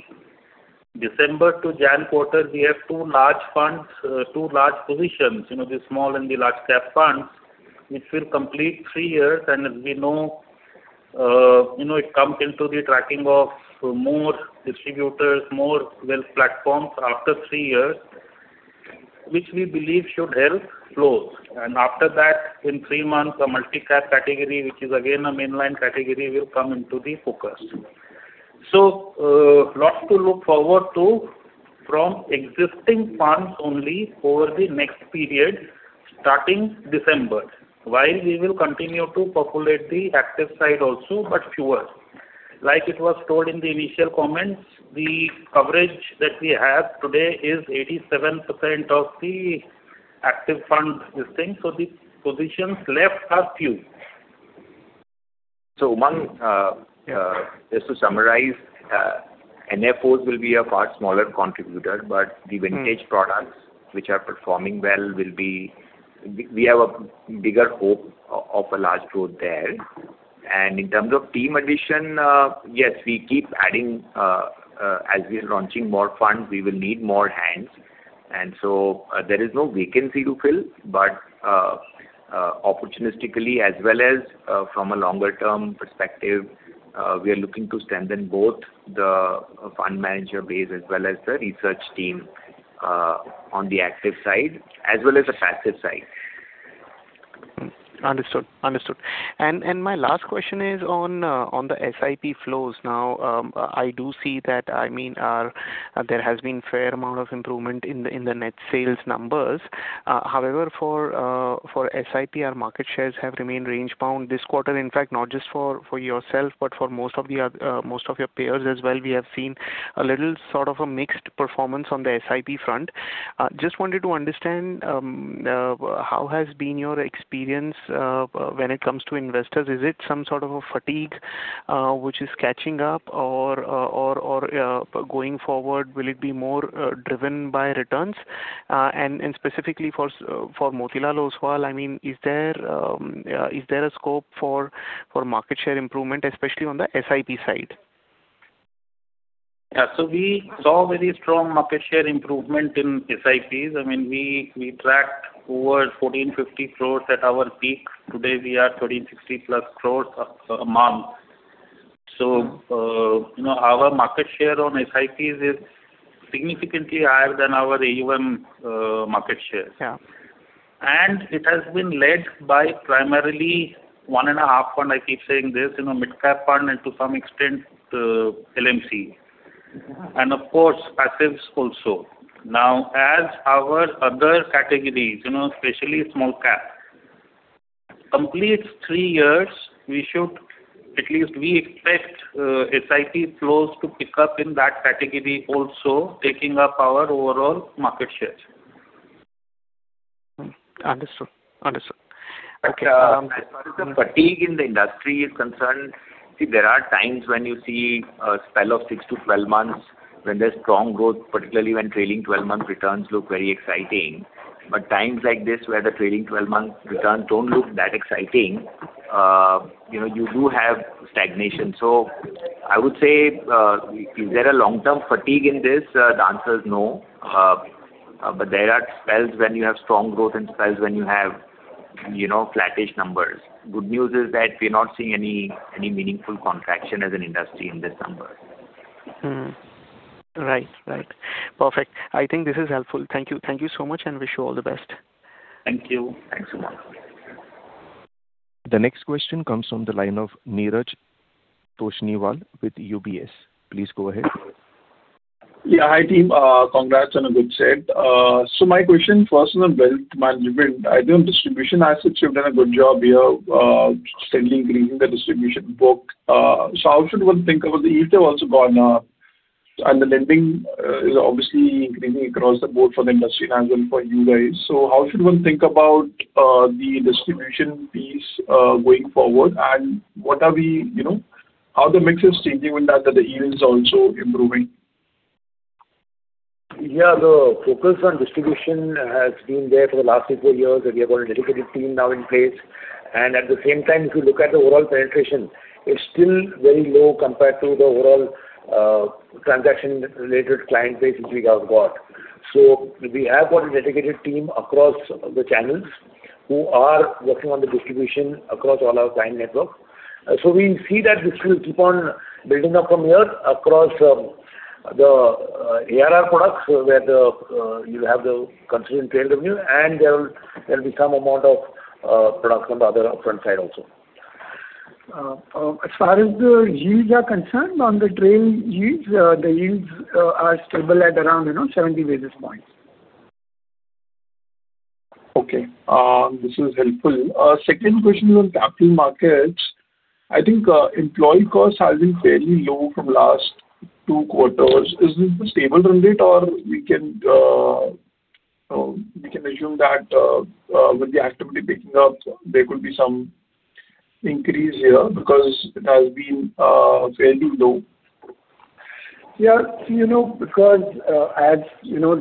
S7: December to January quarter, we have two large positions, the small- and the large-cap funds, which will complete three years. As we know, it comes into the tracking of more distributors, more wealth platforms after three years, which we believe should help flows. After that, in three months, a multi-cap category, which is again a mainline category, will come into the focus. Lots to look forward to from existing funds only over the next period starting December, while we will continue to populate the active side also, but fewer. Like it was told in the initial comments, the coverage that we have today is 87% of the active fund listings. The positions left are few.
S3: Umang, just to summarize, NFOs will be a far smaller contributor, but the vintage products which are performing well, we have a bigger hope of a large growth there. In terms of team addition, yes, we keep adding. As we are launching more funds, we will need more hands. There is no vacancy to fill, but opportunistically as well as from a longer-term perspective, we are looking to strengthen both the fund manager base as well as the research team on the active side as well as the passive side.
S8: Understood. My last question is on the SIP flows now. I do see that there has been fair amount of improvement in the net sales numbers. However, for SIP, our market shares have remained range-bound this quarter, in fact, not just for yourself but for most of your peers as well. We have seen a little sort of a mixed performance on the SIP front. Just wanted to understand, how has been your experience when it comes to investors? Is it some sort of a fatigue which is catching up? Or going forward, will it be more driven by returns? Specifically for Motilal Oswal, is there a scope for market share improvement, especially on the SIP side?
S7: Yeah. We saw very strong market share improvement in SIPs. We tracked over 1,450 crores at our peak. Today, we are 1,360-plus crores a month. Our market share on SIPs is significantly higher than our AUM market shares.
S8: Yeah.
S7: It has been led by primarily one and a half fund, I keep saying this, mid-cap fund and to some extent, LMC. Of course, passives also. Now, as our other categories, especially small-cap, completes three years, at least we expect SIP flows to pick up in that category also, taking up our overall market shares.
S8: Understood. Okay.
S3: As far as the fatigue in the industry is concerned, there are times when you see a spell of 6 to 12 months when there's strong growth, particularly when trailing 12-month returns look very exciting. Times like this, where the trailing 12-month returns don't look that exciting, you do have stagnation. I would say, is there a long-term fatigue in this? The answer is no. There are spells when you have strong growth and spells when you have flattish numbers. Good news is that we're not seeing any meaningful contraction as an industry in this number.
S8: Mm-hmm. Right. Perfect. I think this is helpful. Thank you so much, and wish you all the best.
S7: Thank you.
S3: Thanks, Umang.
S1: The next question comes from the line of Neeraj Toshniwal with UBS. Please go ahead.
S9: Yeah. Hi, team. Congrats on a good set. My question, first on wealth management, I know distribution, I think you've done a good job here steadily increasing the distribution book. How should one think about the yield that's gone up? The lending is obviously increasing across the board for the industry as well for you guys. How should one think about the distribution piece going forward, and how the mix is changing with that the yields are also improving?
S7: Yeah, the focus on distribution has been there for the last three, four years, we have got a dedicated team now in place. At the same time, if you look at the overall penetration, it's still very low compared to the overall transaction-related client base, which we have got. We have got a dedicated team across the channels who are working on the distribution across all our client network. We see that this will keep on building up from here across the ARR products where you have the consistent trail revenue, and there will be some amount of products on the other front side also.
S5: As far as the yields are concerned on the trail yields, the yields are stable at around 70 basis points.
S9: Okay. This is helpful. Second question is on capital markets. I think employee cost has been fairly low from last two quarters. Is this the stable trend it or we can assume that with the activity picking up, there could be some increase here because it has been fairly low.
S5: Yeah.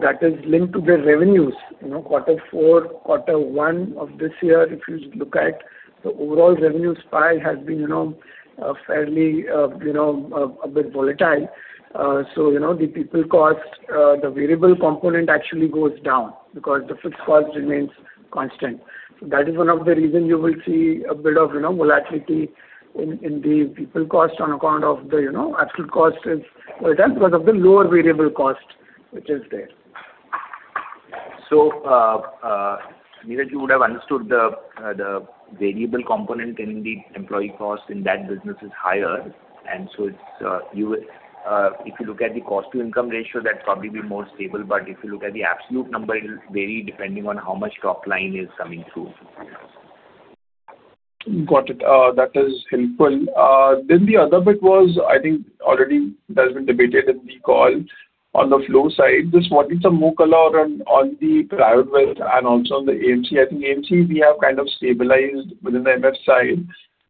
S5: That is linked to the revenues. Quarter four, quarter one of this year, if you look at the overall revenue spike has been fairly a bit volatile. The people cost, the variable component actually goes down because the fixed cost remains constant. That is one of the reason you will see a bit of volatility in the people cost on account of the actual cost is volatile because of the lower variable cost which is there.
S7: Neeraj, you would have understood the variable component in the employee cost in that business is higher, and so if you look at the cost-to-income ratio, that's probably more stable. If you look at the absolute number, it will vary depending on how much top line is coming through.
S9: Got it. That is helpful. The other bit was, I think already it has been debated in the call. On the flow side, just wanted some more color on the private wealth and also on the AMC. I think AMC, we have kind of stabilized within the MF side.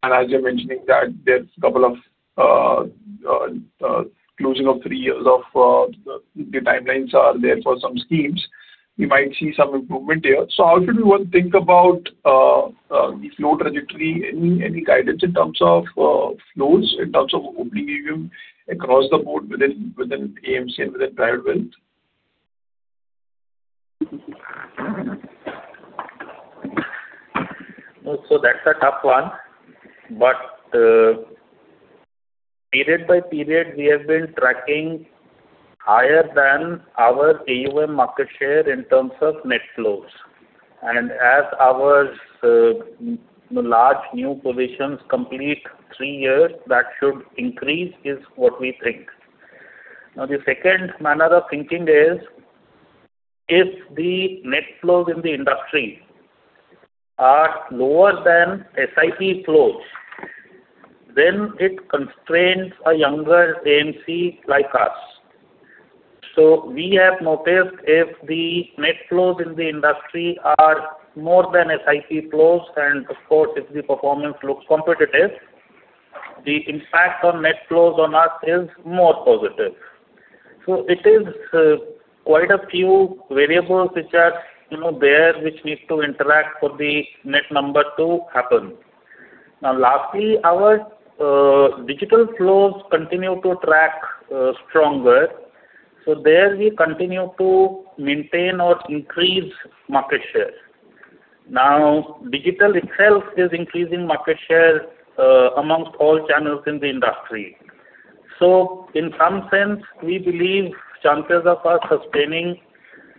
S9: As you're mentioning that there's couple of closing of three years of the timelines are there for some schemes. We might see some improvement there. How should one think about the flow trajectory? Any guidance in terms of flows, in terms of opening AUM across the board within AMC and within private wealth?
S7: That's a tough one. Period-by-period, we have been tracking higher than our AUM market share in terms of net flows. As our large new provisions complete three years, that should increase is what we think. The second manner of thinking is, if the net flows in the industry are lower than SIP flows, then it constrains a younger AMC like us. We have noticed if the net flows in the industry are more than SIP flows, and of course, if the performance looks competitive, the impact on net flows on us is more positive. It is quite a few variables which are there, which need to interact for the net number to happen. Lastly, our digital flows continue to track stronger. There we continue to maintain or increase market share. Digital itself is increasing market share amongst all channels in the industry. In some sense, we believe chances of us sustaining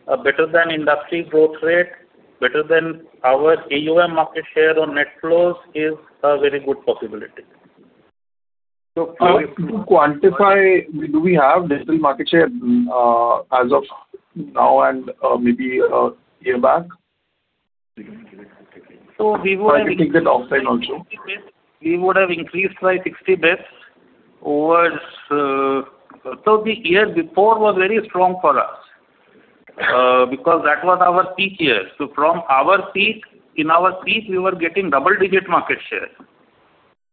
S7: a better than industry growth rate, better than our AUM market share on net flows is a very good possibility.
S9: To quantify, do we have digital market share as of now and maybe a year back?
S7: We would have-
S9: Try to take that offside also.
S7: We would have increased by 60 basis over. The year before was very strong for us because that was our peak year. From our peak, in our peak, we were getting double-digit market share.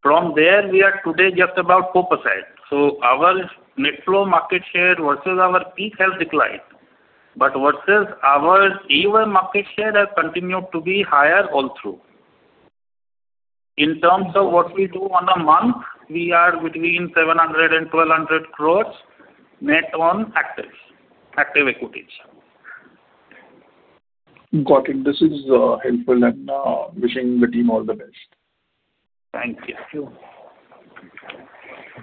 S7: From there, we are today just about 4%. Our net flow market share versus our peak has declined. Versus our AUM market share has continued to be higher all through. In terms of what we do on a month, we are between 700 crores and 1,200 crores net on active equities.
S9: Got it. This is helpful and wishing the team all the best.
S7: Thank you.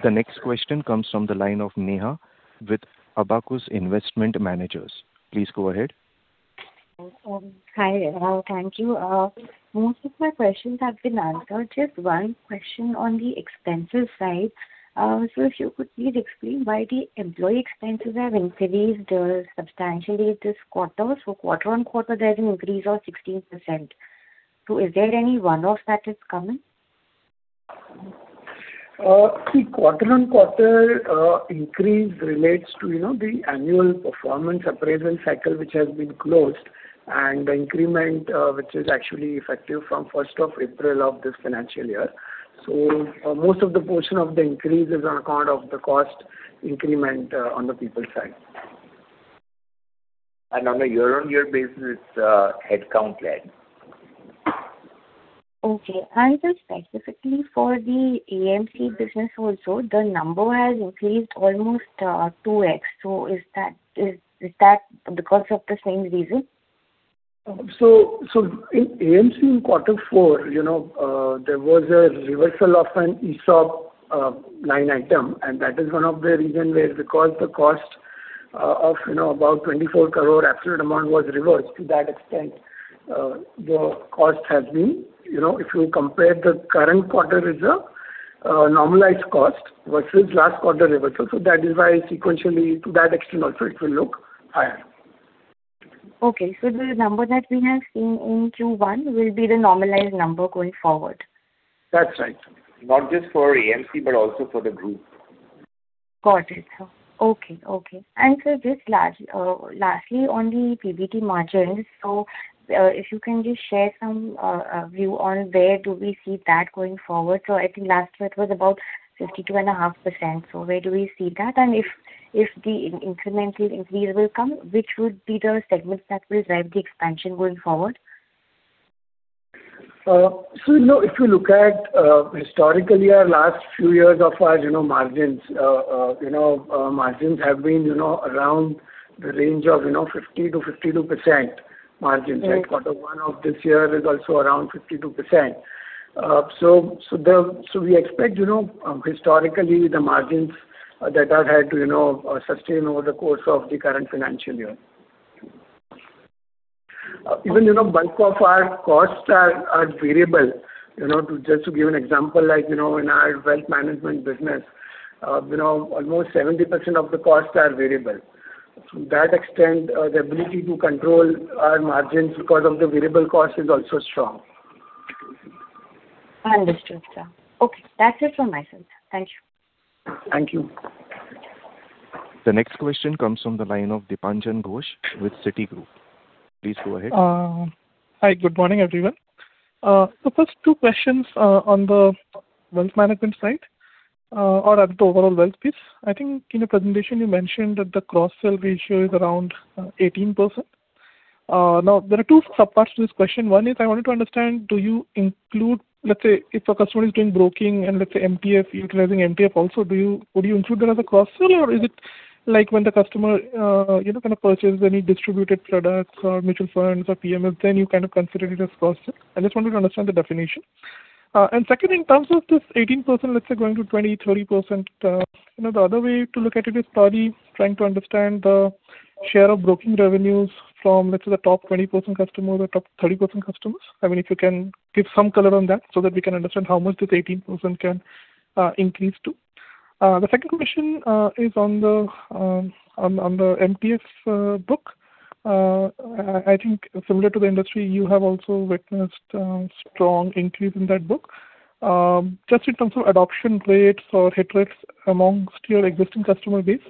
S1: The next question comes from the line of Neha with Abacus Investment Managers. Please go ahead.
S10: Hi. Thank you. Most of my questions have been answered. Just one question on the expenses side. If you could please explain why the employee expenses have increased substantially this quarter. Quarter-on-quarter, there is an increase of 16%. Is there any one-off that is coming?
S5: See, quarter-on-quarter increase relates to the annual performance appraisal cycle which has been closed and the increment which is actually effective from 1st of April of this financial year. Most of the portion of the increase is on account of the cost increment on the people side.
S3: on a year-on-year basis, it's headcount led.
S10: sir, specifically for the AMC business also, the number has increased almost 2x. is that because of the same reason?
S5: In AMC in quarter four, there was a reversal of an ESOP line item and that is one of the reason where because the cost of about 24 crore absolute amount was reversed. To that extent, the cost has been If you compare the current quarter is a normalized cost versus last quarter reversal. that is why sequentially to that extent also it will look higher.
S10: The number that we have seen in Q1 will be the normalized number going forward.
S5: That's right.
S3: Not just for AMC but also for the group.
S10: Got it. Okay. Sir, just lastly on the PBT margins. If you can just share some view on where do we see that going forward. I think last year it was about 52.5%. Where do we see that? And if the incremental increase will come, which would be the segments that will drive the expansion going forward?
S5: If you look at historically our last few years of our margins have been around the range of 50%-52% margins. Quarter one of this year is also around 52%. We expect historically the margins that have had to sustain over the course of the current financial year. Even bulk of our costs are variable. Just to give an example, in our wealth management business almost 70% of the costs are variable. To that extent, the ability to control our margins because of the variable cost is also strong.
S10: Understood, sir. Okay. That's it from myself, sir. Thank you.
S5: Thank you.
S1: The next question comes from the line of Dipanjan Ghosh with Citigroup. Please go ahead.
S11: Hi. Good morning, everyone. First two questions on the wealth management side or at the overall wealth piece. I think in your presentation you mentioned that the cross-sell ratio is around 18%. There are two sub-parts to this question. One is I wanted to understand, do you include, let's say if a customer is doing broking and let's say MPF utilizing MPF also, would you include that as a cross-sell? Or is it like when the customer purchase any distributed products or mutual funds or PMS, then you kind of consider it as cross-sell? I just wanted to understand the definition. Second, in terms of this 18%, let's say going to 20%-30%, the other way to look at it is probably trying to understand the share of broking revenues from, let's say the top 20% customer or the top 30% customers. If you can give some color on that so that we can understand how much this 18% can increase to. The second question is on the MPF book. I think similar to the industry, you have also witnessed a strong increase in that book. Just in terms of adoption rates or hit rates amongst your existing customer base,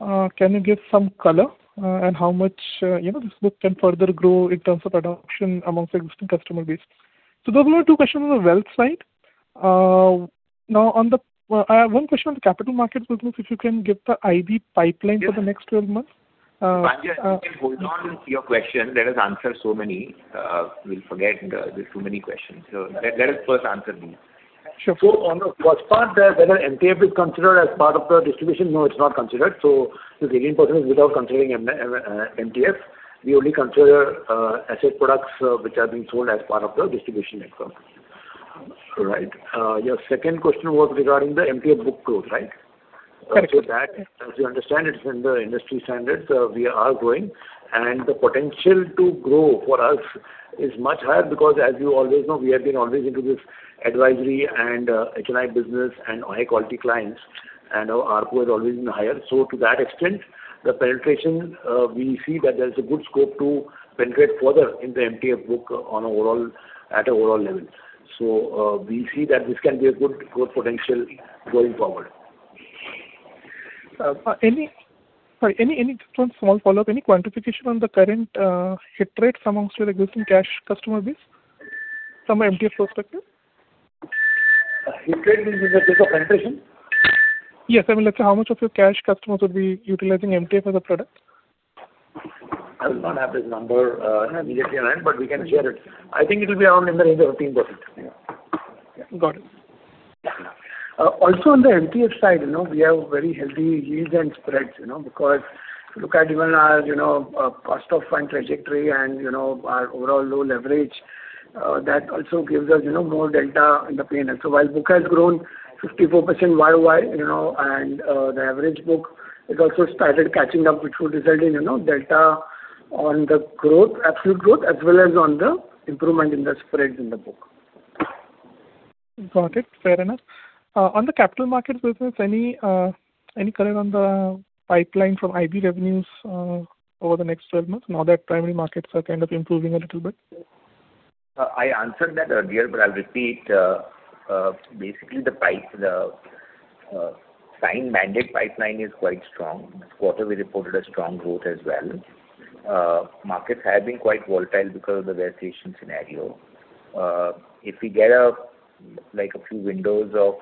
S11: can you give some color on how much this book can further grow in terms of adoption amongst existing customer base? Those were my two questions on the wealth side. I have one question on the capital markets business, if you can give the IB pipeline for the next 12 months.
S3: Dipanjan, if you can hold on to your question. Let us answer so many. We will forget. There is too many questions. Let us first answer these.
S11: Sure.
S5: On the first part there, whether MPF is considered as part of the distribution, no, it is not considered. This 18% is without considering MPF. We only consider asset products which are being sold as part of the distribution network.
S7: Right. Your second question was regarding the MPF book growth, right?
S11: Correct.
S7: That as you understand it's in the industry standards. We are growing and the potential to grow for us is much higher because as you always know, we have been always into this advisory and HNI business and high quality clients and our ARPU has always been higher. To that extent, the penetration we see that there is a good scope to penetrate further in the MPF book at overall levels. We see that this can be a good growth potential going forward.
S11: Sorry. Just one small follow-up. Any quantification on the current hit rates amongst your existing cash customer base from an MPF perspective?
S7: Hit rate means in the sense of penetration?
S11: Yes. I mean, let's say how much of your cash customers would be utilizing MPF as a product?
S7: I do not have this number immediately in hand but we can share it. I think it will be around in the range of 18%.
S11: Got it.
S5: On the MPF side, we have very healthy yields and spreads because if you look at even our cost of fund trajectory and our overall low leverage that also gives us more delta in the P&L. While book has grown 54% Y-o-Y and the average book has also started catching up, which will result in delta on the absolute growth as well as on the improvement in the spreads in the book.
S11: Got it. Fair enough. On the capital market business, any color on the pipeline from IB revenues over the next 12 months now that primary markets are kind of improving a little bit?
S3: I answered that earlier, I'll repeat. Basically, the signed mandate pipeline is quite strong. This quarter we reported a strong growth as well. Markets have been quite volatile because of the valuation scenario. If we get a few windows of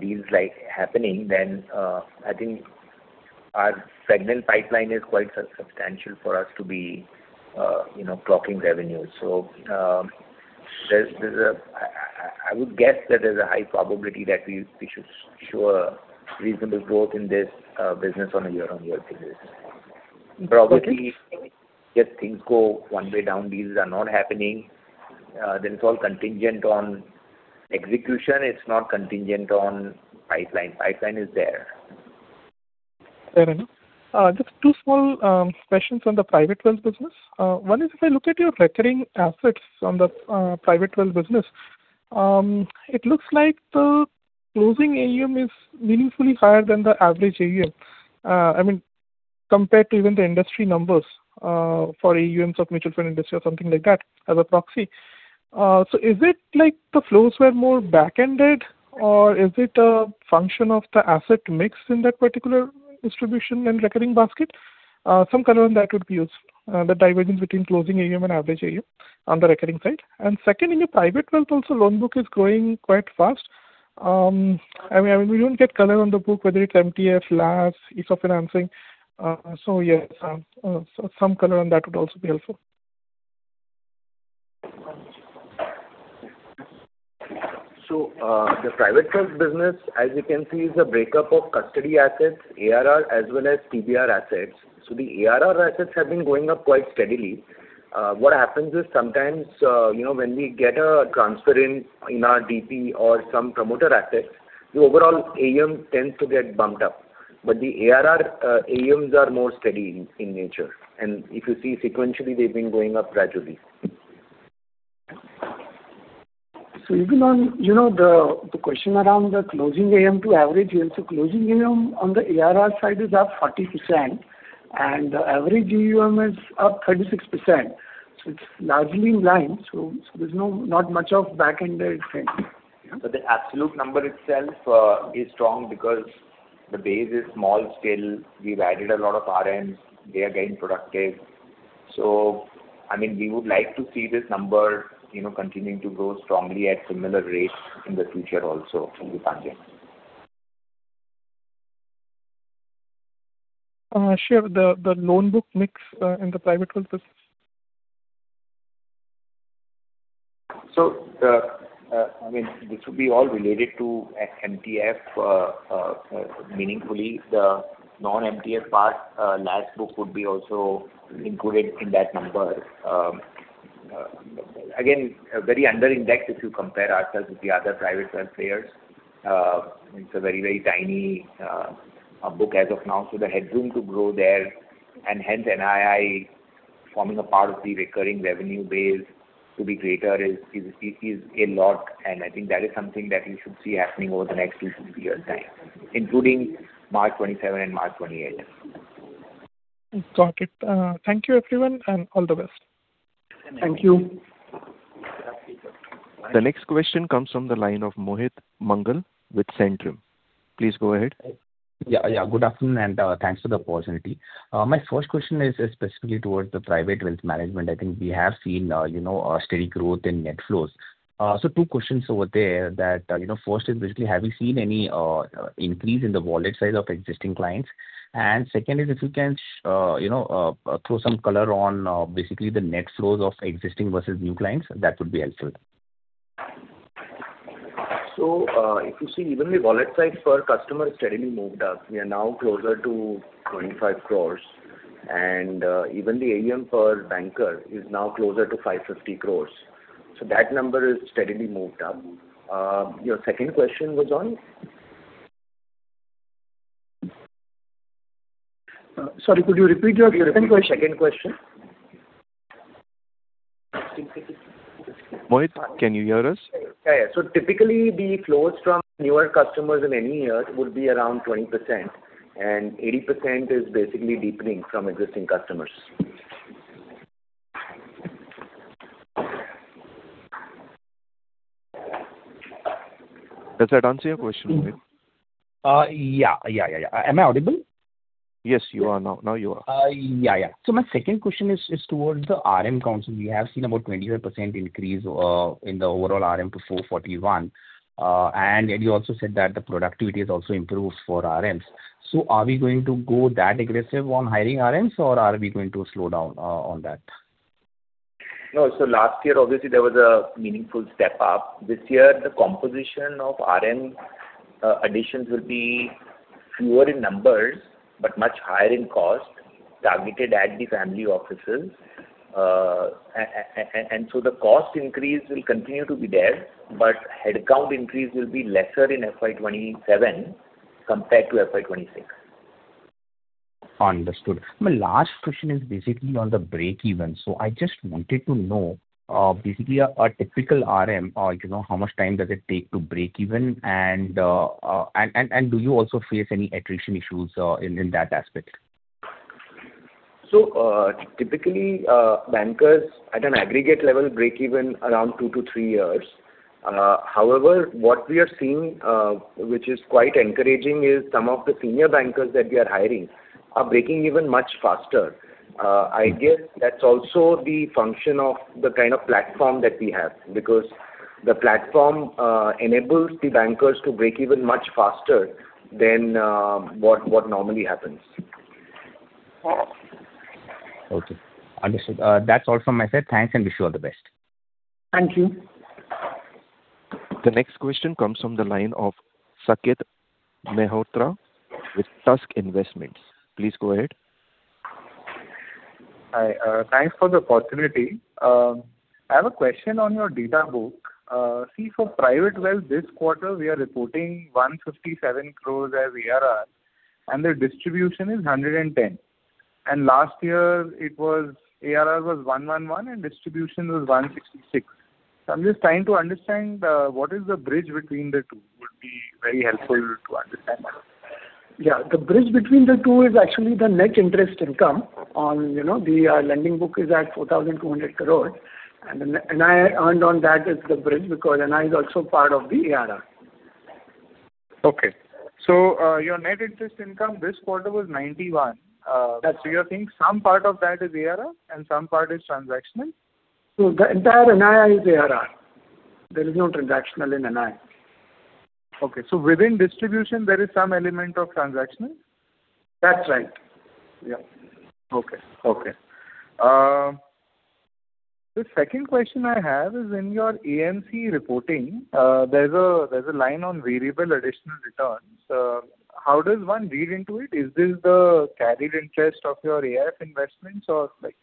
S3: deals happening, then I think our segment pipeline is quite substantial for us to be clocking revenues. I would guess that there's a high probability that we should show a reasonable growth in this business on a year-on-year basis.
S11: Okay.
S3: Probably, if things go one way down, deals are not happening, it's all contingent on execution. It's not contingent on pipeline. Pipeline is there.
S11: Fair enough. Just two small questions on the private wealth business. One is, if I look at your recurring assets on the private wealth business, it looks like the closing AUM is meaningfully higher than the average AUM. I mean, compared to even the industry numbers for AUMs of mutual fund industry or something like that as a proxy. Is it like the flows were more back-ended or is it a function of the asset mix in that particular distribution and recurring basket? Some color on that would be useful. The divergence between closing AUM and average AUM on the recurring side. Second, in your Private Wealth also, loan book is growing quite fast. I mean, we don't get color on the book, whether it's MTF, LAS, lease of financing. Yes, some color on that would also be helpful.
S3: The Private Wealth business, as you can see, is a breakup of custody assets, ARR, as well as TBR assets. The ARR assets have been going up quite steadily. What happens is sometimes when we get a transfer in our DP or some promoter assets, the overall AUM tends to get bumped up, but the ARR AUMs are more steady in nature. If you see sequentially, they've been going up gradually.
S5: Even on the question around the closing AUM to average AUM. Closing AUM on the ARR side is up 40% and the average AUM is up 36%. It's largely in line. There's not much of back-ended thing.
S3: The absolute number itself is strong because the base is small still. We've added a lot of RMs. They are getting productive. We would like to see this number continuing to grow strongly at similar rates in the future also from this angle.
S11: Sir, the loan book mix in the private wealth business.
S3: This would be all related to MTF meaningfully. The non-MTF part LAS book would be also included in that number. Again, very under indexed if you compare ourselves with the other private wealth players. It's a very tiny book as of now, the headroom to grow there and hence NII forming a part of the recurring revenue base to be greater is a lot and I think that is something that you should see happening over the next two to three years time, including March 2027 and March 2028.
S11: Got it. Thank you everyone, all the best.
S3: Thank you.
S1: The next question comes from the line of Mohit Mangal with Centrum. Please go ahead.
S12: Good afternoon, thanks for the opportunity. My first question is specifically towards the private wealth management. I think we have seen a steady growth in net flows. Two questions over there that, first is basically have you seen any increase in the wallet size of existing clients? Second is if you can throw some color on basically the net flows of existing versus new clients, that would be helpful.
S3: If you see even the wallet size per customer steadily moved up. We are now closer to 25 crores and even the AUM per banker is now closer to 550 crores. That number is steadily moved up. Your second question was on?
S7: Sorry, could you repeat your second question?
S3: Could you repeat your second question?
S1: Mohit, can you hear us?
S3: Yeah. Typically, the flows from newer customers in any year would be around 20% and 80% is basically deepening from existing customers.
S1: Does that answer your question, Mohit?
S12: Yeah. Am I audible?
S1: Yes, you are now. Now you are.
S12: My second question is towards the RM counts. We have seen about 25% increase in the overall RM to 441. You also said that the productivity has also improved for RMs. Are we going to go that aggressive on hiring RMs or are we going to slow down on that?
S3: No. Last year, obviously, there was a meaningful step up. This year, the composition of RM additions will be fewer in numbers but much higher in cost, targeted at the family offices. The cost increase will continue to be there, but head count increase will be lesser in FY 2027 compared to FY 2026.
S12: Understood. My last question is basically on the breakeven. I just wanted to know, basically, a typical RM, how much time does it take to breakeven, and do you also face any attrition issues in that aspect?
S3: Typically, bankers at an aggregate level breakeven around two to three years. However, what we are seeing, which is quite encouraging, is some of the senior bankers that we are hiring are breaking even much faster. I guess that's also the function of the kind of platform that we have, because the platform enables the bankers to breakeven much faster than what normally happens.
S12: Okay. Understood. That's all from my side. Thanks, wish you all the best.
S5: Thank you.
S1: The next question comes from the line of Saket Mehrotra with Tusk Investments. Please go ahead.
S13: Hi. Thanks for the opportunity. I have a question on your data book. See, for private wealth this quarter, we are reporting 157 crores as ARR, and the distribution is 110 crores. Last year, ARR was 111 crores and distribution was 166 crores. I'm just trying to understand what is the bridge between the two. Would be very helpful to understand that.
S5: Yeah. The bridge between the two is actually the net interest income on the lending book is at 4,200 crore, and earned on that is the bridge because NI is also part of the ARR.
S13: Okay. Your net interest income this quarter was 91.
S5: That's it.
S13: You're saying some part of that is ARR and some part is transactional?
S5: The entire NII is ARR. There is no transactional in NII.
S13: Okay. Within distribution, there is some element of transactional?
S5: That's right. Yeah.
S13: Okay. The second question I have is in your AMC reporting. There's a line on variable additional returns. How does one read into it? Is this the carried interest of your AIF investments or like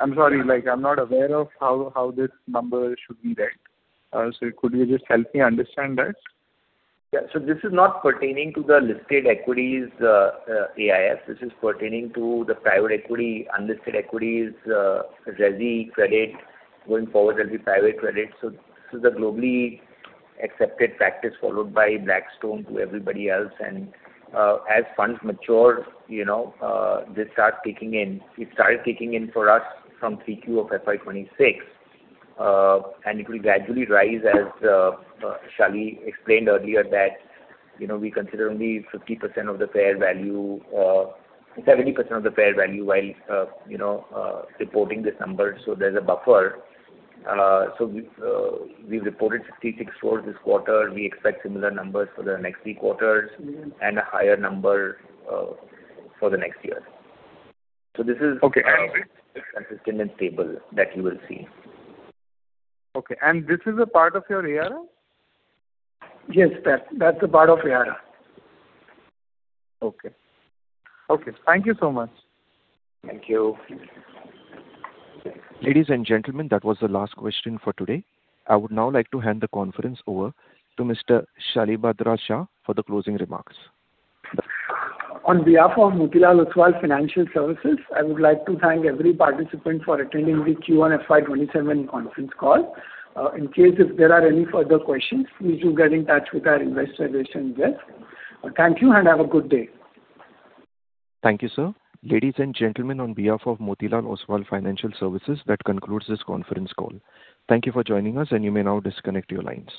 S13: I'm sorry, I'm not aware of how this number should be read. Could you just help me understand that?
S3: Yeah. This is not pertaining to the listed equities AIF. This is pertaining to the private equity, unlisted equities, resi credit, going forward there will be private credit. This is a globally accepted practice followed by Blackstone to everybody else. As funds mature, they start kicking in. It started kicking in for us from Q3 of FY 2026. It will gradually rise as Shali explained earlier that we consider only 70% of the fair value while reporting this number, so there is a buffer. We reported 66 crores this quarter. We expect similar numbers for the next three quarters, and a higher number for the next year. This is-
S13: Okay.
S3: -consistent and stable that you will see.
S13: Okay. This is a part of your ARR?
S5: Yes, that's a part of ARR.
S13: Okay. Thank you so much.
S3: Thank you.
S1: Ladies and gentlemen, that was the last question for today. I would now like to hand the conference over to Mr. Shalibhadra Shah for the closing remarks.
S5: On behalf of Motilal Oswal Financial Services, I would like to thank every participant for attending the Q1 FY 2027 conference call. In case if there are any further questions, please do get in touch with our Investor Relations desk. Thank you, and have a good day.
S1: Thank you, sir. Ladies and gentlemen, on behalf of Motilal Oswal Financial Services, that concludes this conference call. Thank you for joining us, and you may now disconnect your lines.